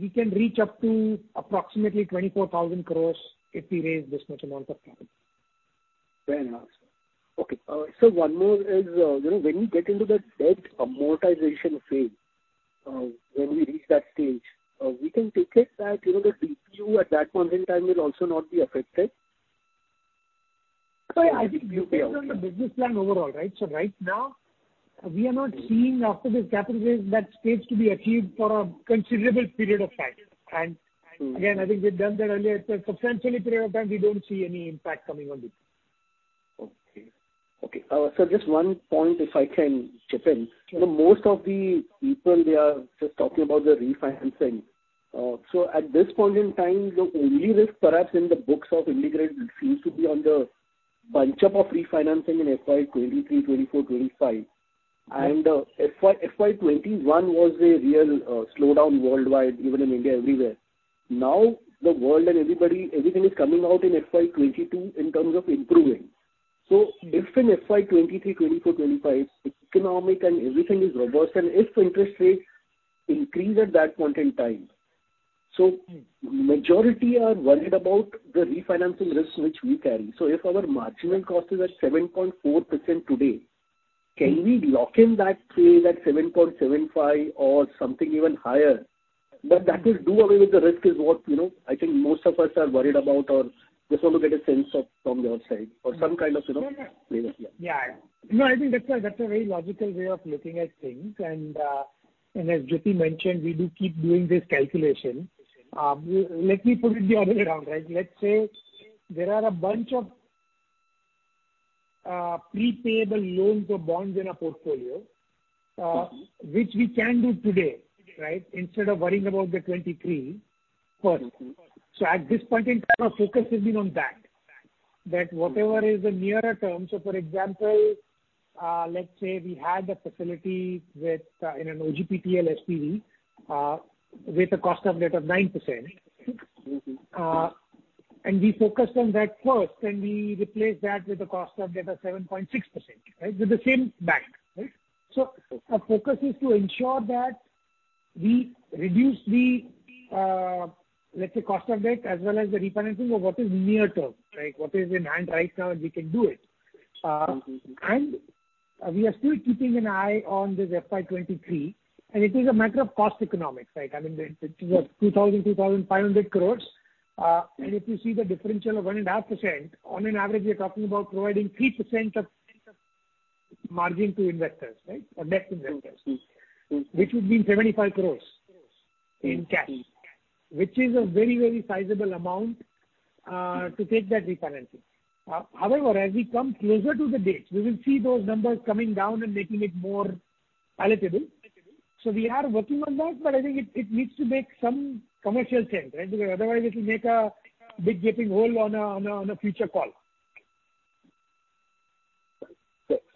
we can reach up to approximately 24,000 crore if we raise this much amount of capital. Fair enough, sir. Okay. Sir, one more is, when we get into that debt amortization phase, when we reach that stage, we can take it that the CTU at that point in time will also not be affected? I think based on the business plan overall, right. Right now, we are not seeing after this capital raise that stage to be achieved for a considerable period of time. Again, I think we've done that earlier. Substantially period of time, we don't see any impact coming on this. Okay. Sir, just one point, if I can chip in. Sure. Most of the people, they are just talking about the refinancing. At this point in time, the only risk perhaps in the books of IndiGrid refers to the bunch up of refinancing in FY 2023, 2024, 2025. FY 2021 was a real slowdown worldwide, even in India, everywhere. Now, the world and everything is coming out in FY 2022 in terms of improving. If in FY 2023, 2024, 2025, economic and everything is robust, and if interest rates increase at that point in time. Majority are worried about the refinancing risk which we carry. If our marginal cost is at 7.4% today, can we lock in that phase at 7.75% or something even higher? That will do away with the risk is what I think most of us are worried about or just want to get a sense of from your side or some kind of. Yeah. Clear picture. Yeah. No, I think that's a very logical way of looking at things. As Jyoti mentioned, we do keep doing this calculation. Let me put it the other way around, right? There are a bunch of prepaid loans or bonds in our portfolio, which we can do today, right? Instead of worrying about the 2023 first. At this point in time, our focus has been on that whatever is the nearer term. For example, let's say we had a facility in an OGPTL SPV with a cost of debt of 9%. We focused on that first, and we replaced that with a cost of debt of 7.6%, right? With the same bank. Our focus is to ensure that we reduce the, let's say, cost of debt as well as the refinancing of what is near-term. What is in hand right now, and we can do it. We are still keeping an eye on this FY 2023, and it is a matter of cost economics, right? I mean, it is what, 2,000-2,500 crore. If you see the differential of 1.5%, on an average, we are talking about providing 3% of margin to investors, right, or debt investors. Which would mean 75 crores in cash. Which is a very sizable amount to take that refinancing. However, as we come closer to the date, we will see those numbers coming down and making it more palatable. We are working on that, but I think it needs to make some commercial sense, right? Otherwise it will make a big gaping hole on a future call.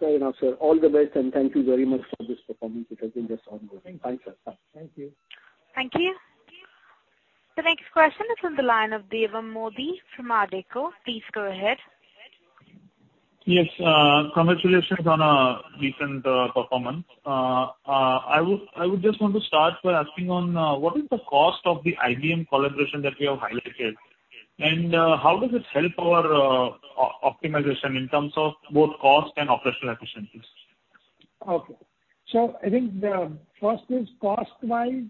Fair enough, sir. All the best, and thank you very much for this performance. It has been just ongoing. Thank you. Bye, sir. Bye. Thank you. Thank you. The next question is on the line of Devam Modi from Ardeko. Please go ahead. Yes. Congratulations on a recent performance. I would just want to start by asking on what is the cost of the IBM collaboration that you have highlighted? How does it help our optimization in terms of both cost and operational efficiencies? I think the first is cost-wise.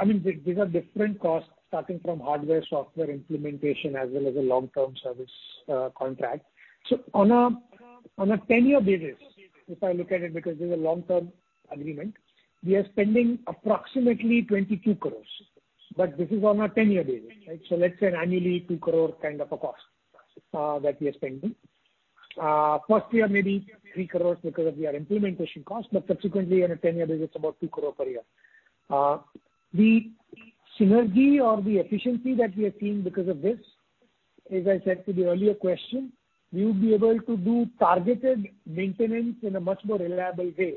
I mean, these are different costs, starting from hardware, software implementation, as well as a long-term service contract. On a 10-year basis, if I look at it, because this is a long-term agreement, we are spending approximately 22 crore. This is on a 10-year basis. Let's say annually, 2 crore kind of a cost that we are spending. First year may be 3 crore because of your implementation cost, but subsequently on a 10-year basis, about 2 crore per year. The synergy or the efficiency that we are seeing because of this, as I said to the earlier question, we will be able to do targeted maintenance in a much more reliable way,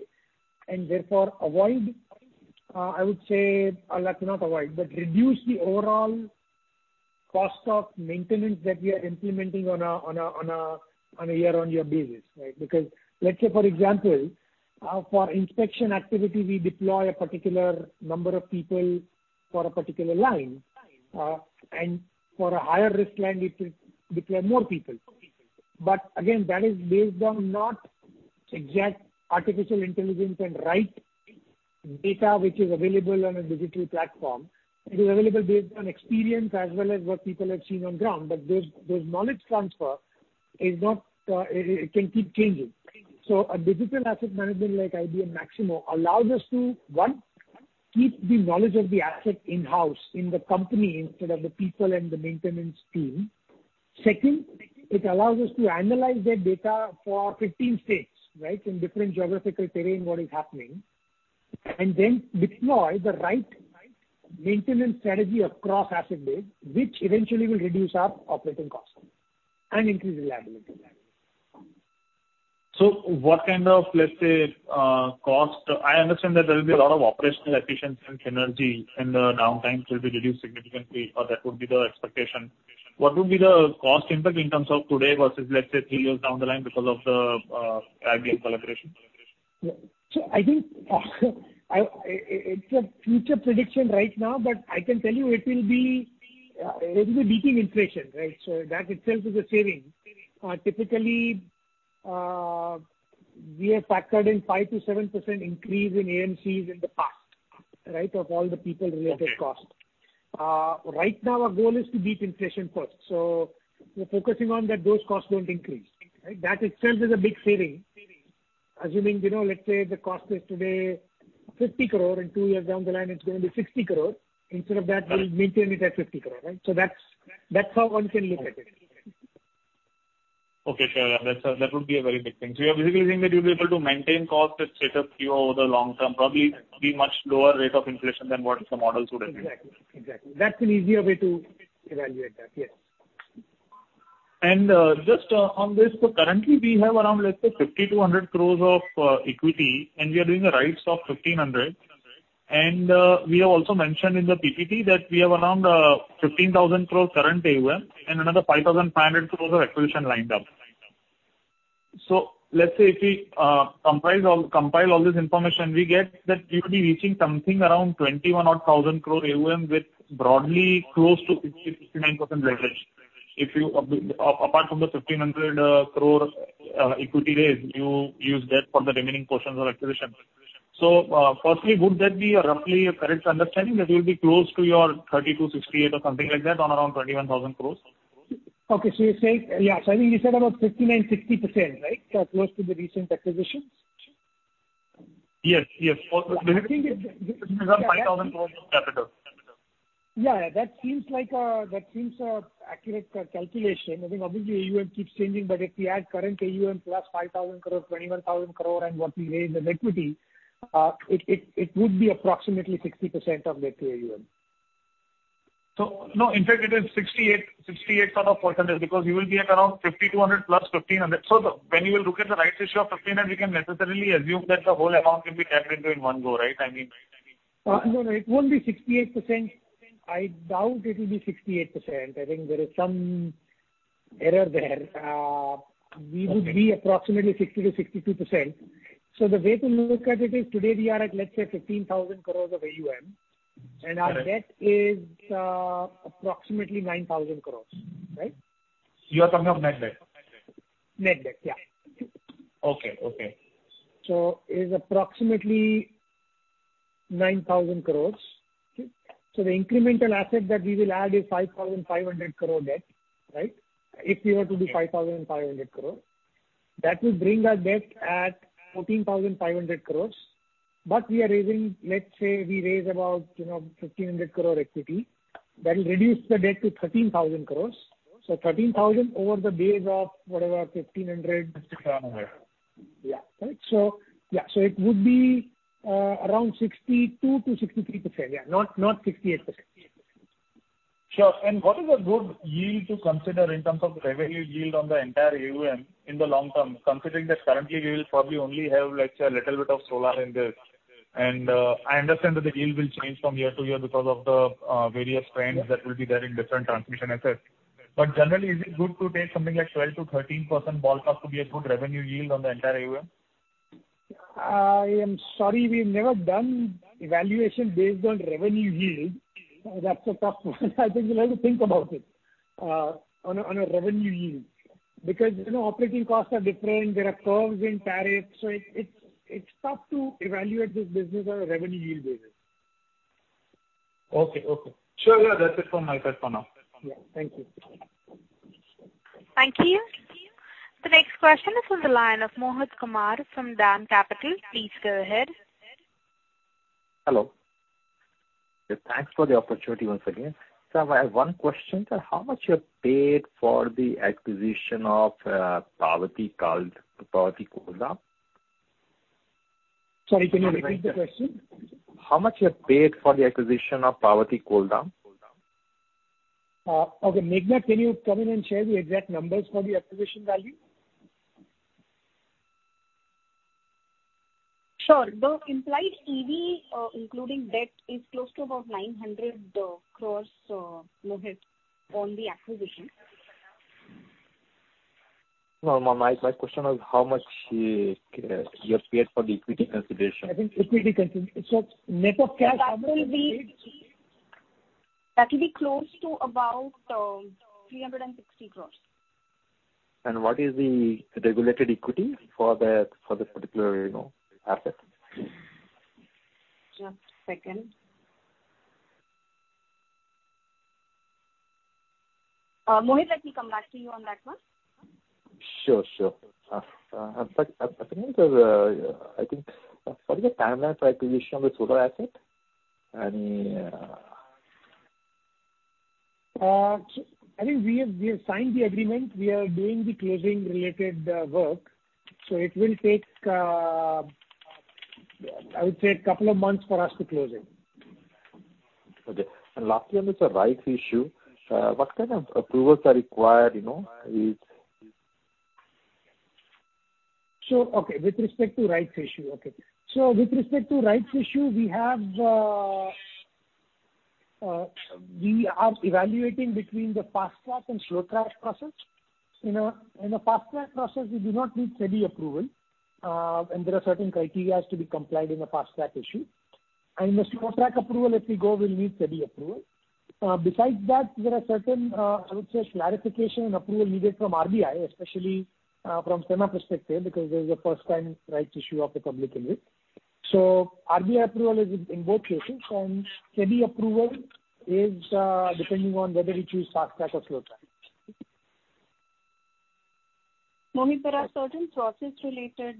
and therefore, I would say reduce the overall cost of maintenance that we are implementing on a year-on-year basis. Let's say, for example, for inspection activity, we deploy a particular number of people for a particular line. For a higher risk line, we deploy more people. Again, that is based on not exact artificial intelligence and right data which is available on a digital platform. It is available based on experience as well as what people have seen on ground. This knowledge transfer can keep changing. A digital asset management like IBM Maximo allows us to one, keep the knowledge of the asset in-house, in the company instead of the people and the maintenance team. Second, it allows us to analyze that data for 15 states, right? In different geographical terrain, what is happening. Then deploy the right maintenance strategy across asset base, which eventually will reduce our operating costs and increase reliability. I understand that there will be a lot of operational efficiency and synergy, and the downtimes will be reduced significantly, or that would be the expectation. What would be the cost impact in terms of today versus, let's say, three years down the line because of the IBM collaboration? I think it's a future prediction right now, but I can tell you it will be beating inflation, right? That itself is a saving. Typically, we have factored in 5%-7% increase in AMCs in the past of all the people-related costs. Okay. Right now our goal is to beat inflation first. We're focusing on that those costs don't increase. That itself is a big saving, assuming, let's say the cost is today 50 crore, in two years down the line, it's going to be 60 crore. Instead of that, we'll maintain it at 50 crore. That's how one can look at it. Okay, sure. That would be a very big thing. You're basically saying that you'll be able to maintain costs at straight up zero over the long term, probably be much lower rate of inflation than what the models would have been. Exactly. That's an easier way to evaluate that. Yes. Just on this, currently we have around, let's say, 50 crore-100 crore of equity, and we are doing a rights of 1,500. We have also mentioned in the PPT that we have around 15,000 crore current AUM, and another 5,500 crore of acquisition lined up. Let's say if we compile all this information, we get that we could be reaching something around 21,000 odd crore AUM with broadly close to 50%-69% leverage. Apart from the 1,500 crore equity raise, you use debt for the remaining portions of acquisition. Firstly, would that be roughly a correct understanding that you'll be close to your 32%, 68% or something like that on around 21,000 crore? Okay, you're saying Yeah. I think you said about 59%-60%, right? Close to the recent acquisitions. Yes. For the 5,000 crores of capital. Yeah. That seems an accurate calculation. I think obviously AUM keeps changing, but if we add current AUM plus 5,000 crore, 21,000 crore, and what we raise in equity, it would be approximately 60% of debt to AUM. No, in fact, it is 68.4% because you will be at around 5,200+ crore 1,500 crore. When you will look at the rights issue of 1,500 crore, we can necessarily assume that the whole amount will be tapped into in one go, right? No, it won't be 68%. I doubt it will be 68%. I think there is some error there. We would be approximately 60%-62%. The way to look at it is today we are at, let's say, 15,000 crores of AUM, and our debt is approximately 9,000 crores, right? You are talking of net debt? Net debt, yeah. Okay. It is approximately 9,000 crore. The incremental asset that we will add is 5,500 crore debt. If we were to do 5,500 crore, that will bring our debt at 14,500 crore. We are raising, let's say we raise about 1,500 crore equity. That will reduce the debt to 13,000 crore. 13,000 crore over the base of, whatever, 1,500 crore. [inaudible] Yeah. It would be around 62%-63%. Yeah, not 68%. Sure. What is a good yield to consider in terms of revenue yield on the entire AUM in the long term, considering that currently we will probably only have, let's say, a little bit of solar in this. I understand that the yield will change from year to year because of the various trends that will be there in different transmission assets. Generally, is it good to take something like 12%-13% ballpark to be a good revenue yield on the entire AUM? I am sorry, we've never done evaluation based on revenue yield. That's a tough one. I think we'll have to think about it on a revenue yield. Because operating costs are different, there are curves in tariffs. It's tough to evaluate this business on a revenue yield basis. Okay. Sure. Yeah, that's it from my side for now. Yeah. Thank you. Thank you. The next question is on the line of Mohit Kumar from DAM Capital. Please go ahead. Hello. Thanks for the opportunity once again. I have one question. Sir, how much you have paid for the acquisition of Parbati Koldam? Sorry, can you repeat the question? How much you have paid for the acquisition of Parbati Koldam? Okay. Meghana, can you come in and share the exact numbers for the acquisition value? Sure. The implied EV, including debt, is close to about 900 crores, Mohit, on the acquisition. No, my question was how much you have paid for the equity consideration. I think equity consideration. Net of cash. That will be close to about 360 crores. What is the regulated equity for that particular asset? Just a second. Mohit, let me come back to you on that one. Sure. I think, what is the timeline for acquisition of the solar asset? I think we have signed the agreement. We are doing the closing related work. It will take, I would say, a couple of months for us to close it. Okay. Last one is a rights issue. What kind of approvals are required? Sure, okay. With respect to rights issue. Okay. With respect to rights issue, we are evaluating between the fast-track and slow track process. In a fast-track process, we do not need SEBI approval, and there are certain criteria has to be complied in a fast-track issue. The slow track approval, if we go, will need SEBI approval. Besides that, there are certain, I would say, clarification and approval needed from RBI, especially from FEMA perspective, because this is the first time rights issue offered publicly. RBI approval is in both cases, and SEBI approval is depending on whether we choose fast track or slow track. Mohit, there are certain process related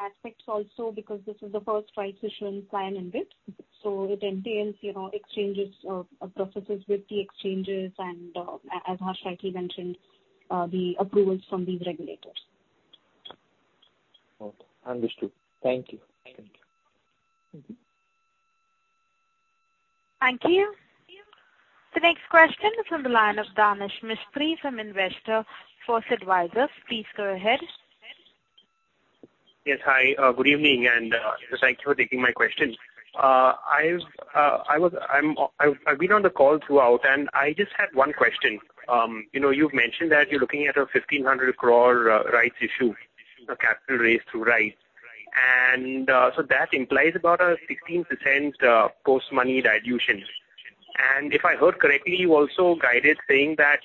aspects also because this is the first rights issue in InvIT. It entails exchanges of processes with the exchanges and as Harsh rightly mentioned, the approvals from the regulators. Okay, understood. Thank you. Thank you. Thank you. The next question is on the line of Danesh Mistry from Investor First Advisors. Please go ahead. Yes. Hi, good evening. Thank you for taking my question. I've been on the call throughout, and I just had one question. You've mentioned that you're looking at a 1,500 crore rights issue, a capital raise through rights. That implies about a 16% post-money dilution. If I heard correctly, you also guided saying that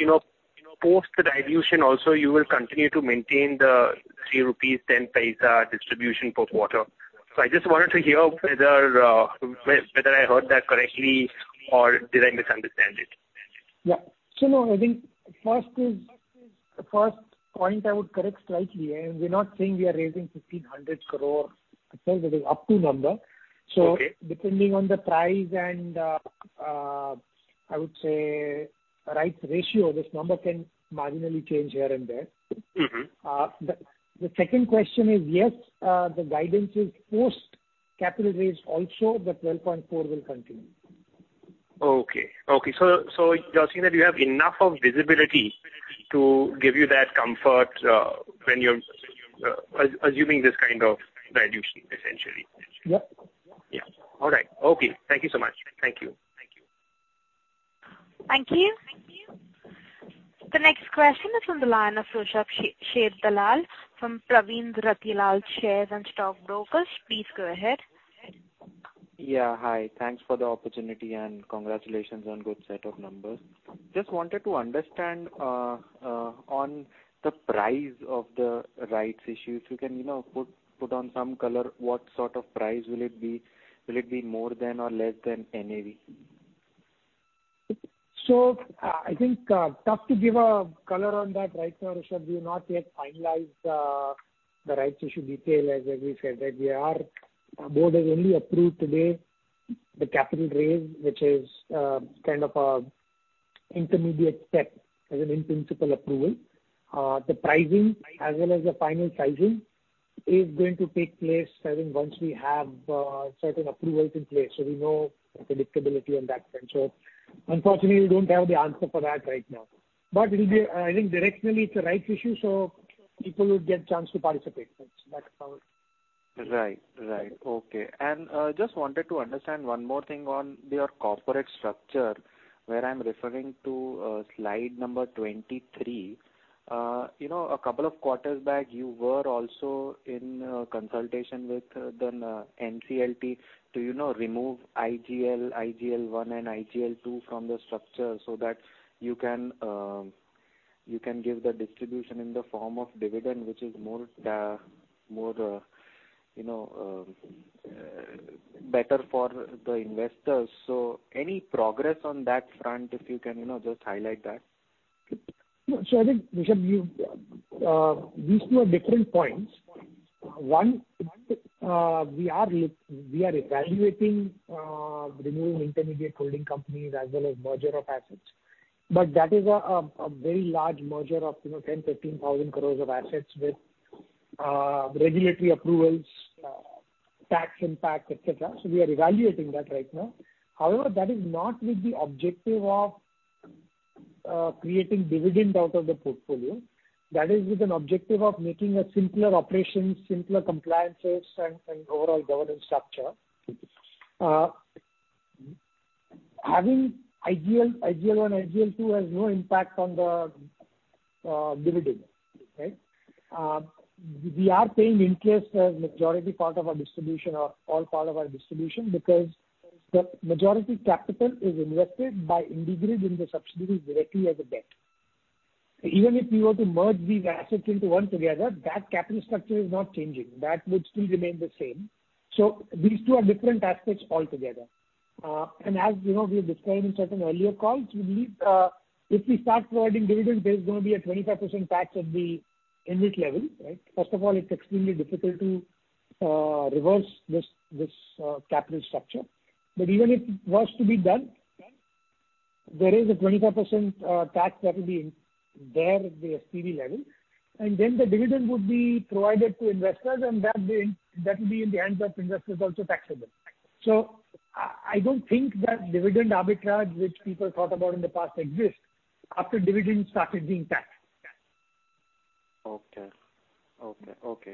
post the dilution also you will continue to maintain the 3.10 rupees distribution per quarter. I just wanted to hear whether I heard that correctly or did I misunderstand it? Yeah. The first point I would correct slightly, we are not saying we are raising 1,500 crore. It is an up-to number. Okay. Depending on the price and, I would say, rights ratio, this number can marginally change here and there. The second question is, yes, the guidance is post-capital raise also, but 12.4 will continue. Okay. You're saying that you have enough of visibility to give you that comfort when you're assuming this kind of valuation, essentially. Yep. Yeah. All right. Okay. Thank you so much. Thank you. Thank you. The next question is on the line of Rushabh Sharedalal from Pravin Ratilal Share and Stock Brokers. Please go ahead. Yeah. Hi. Thanks for the opportunity, congratulations on good set of numbers. Just wanted to understand on the price of the rights issues. If you can put on some color what sort of price will it be? Will it be more than or less than NAV? I think, tough to give a color on that right now, Rushabh. We've not yet finalized the rights issue detail. As we said, the board has only approved today the capital raise, which is kind of an intermediate step as an in-principle approval. The pricing as well as the final sizing is going to take place, I think, once we have certain approvals in place, so we know the predictability on that front. Unfortunately, we don't have the answer for that right now. I think directionally it's a rights issue, so people would get chance to participate. That's all. Right. Okay. Just wanted to understand one more thing on your corporate structure, where I'm referring to slide number 23. A couple of quarters back, you were also in consultation with the NCLT to remove IGL1 and IGL2 from the structure so that you can give the distribution in the form of dividend, which is better for the investors. Any progress on that front, if you can just highlight that? No. I think, Rushabh, these two are different points. One, we are evaluating removing intermediate holding companies as well as merger of assets. That is a very large merger of 10,000, 15,000 crores of assets with regulatory approvals, tax impact, et cetera. We are evaluating that right now. However, that is not with the objective of creating dividend out of the portfolio. That is with an objective of making a simpler operations, simpler compliances, and overall governance structure. Having IGL, IGL1, IGL2 has no impact on the dividend. Right? We are paying interest as majority part of our distribution or all part of our distribution because the majority capital is invested by IndiGrid in the subsidiaries directly as a debt. Even if we were to merge these assets into one together, that capital structure is not changing. That would still remain the same. These two are different aspects altogether. As you know, we've described in certain earlier calls, we believe, if we start providing dividend, there's going to be a 25% tax at the unit level, right? First of all, it's extremely difficult to reverse this capital structure. Even if it was to be done, there is a 25% tax that will be there at the SPV level, and then the dividend would be provided to investors, and that will be in the hands of investors also taxable. I don't think that dividend arbitrage, which people thought about in the past, exists after dividend started being taxed. Okay.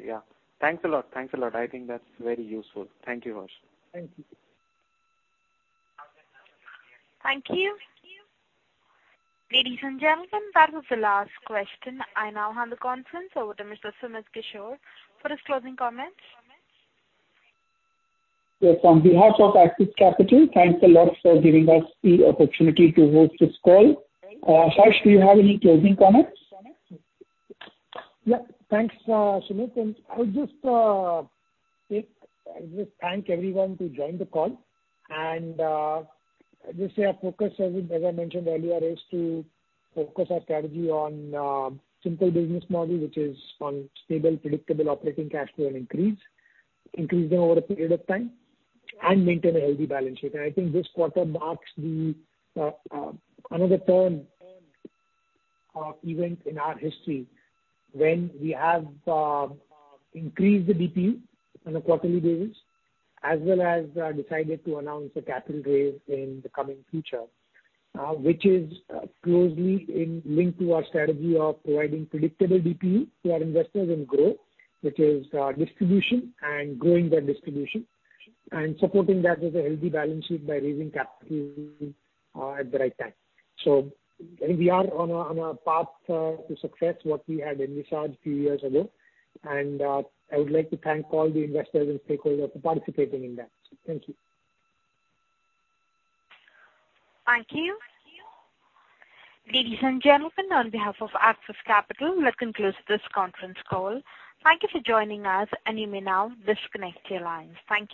Yeah. Thanks a lot. I think that's very useful. Thank you, Harsh. Thank you. Thank you. Ladies and gentlemen, that was the last question. I now hand the conference over to Mr. Sumit Kishore for his closing comments. On behalf of Axis Capital, thanks a lot for giving us the opportunity to host this call. Harsh, do you have any closing comments? Thanks, Sumit. I would just thank everyone to join the call and just say our focus, as I mentioned earlier, is to focus our strategy on simple business model, which is on stable, predictable operating cash flow increase, increasing over a period of time, and maintain a healthy balance sheet. I think this quarter marks another turn of event in our history when we have increased the DPU on a quarterly basis as well as decided to announce a capital raise in the coming future. Which is closely linked to our strategy of providing predictable DPU to our investors and grow, which is distribution and growing that distribution, and supporting that with a healthy balance sheet by raising capital at the right time. I think we are on a path to success, what we had envisaged a few years ago. I would like to thank all the investors and stakeholders for participating in that. Thank you. Thank you. Ladies and gentlemen, on behalf of Axis Capital, we have concluded this conference call. Thank you for joining us, and you may now disconnect your lines. Thank you.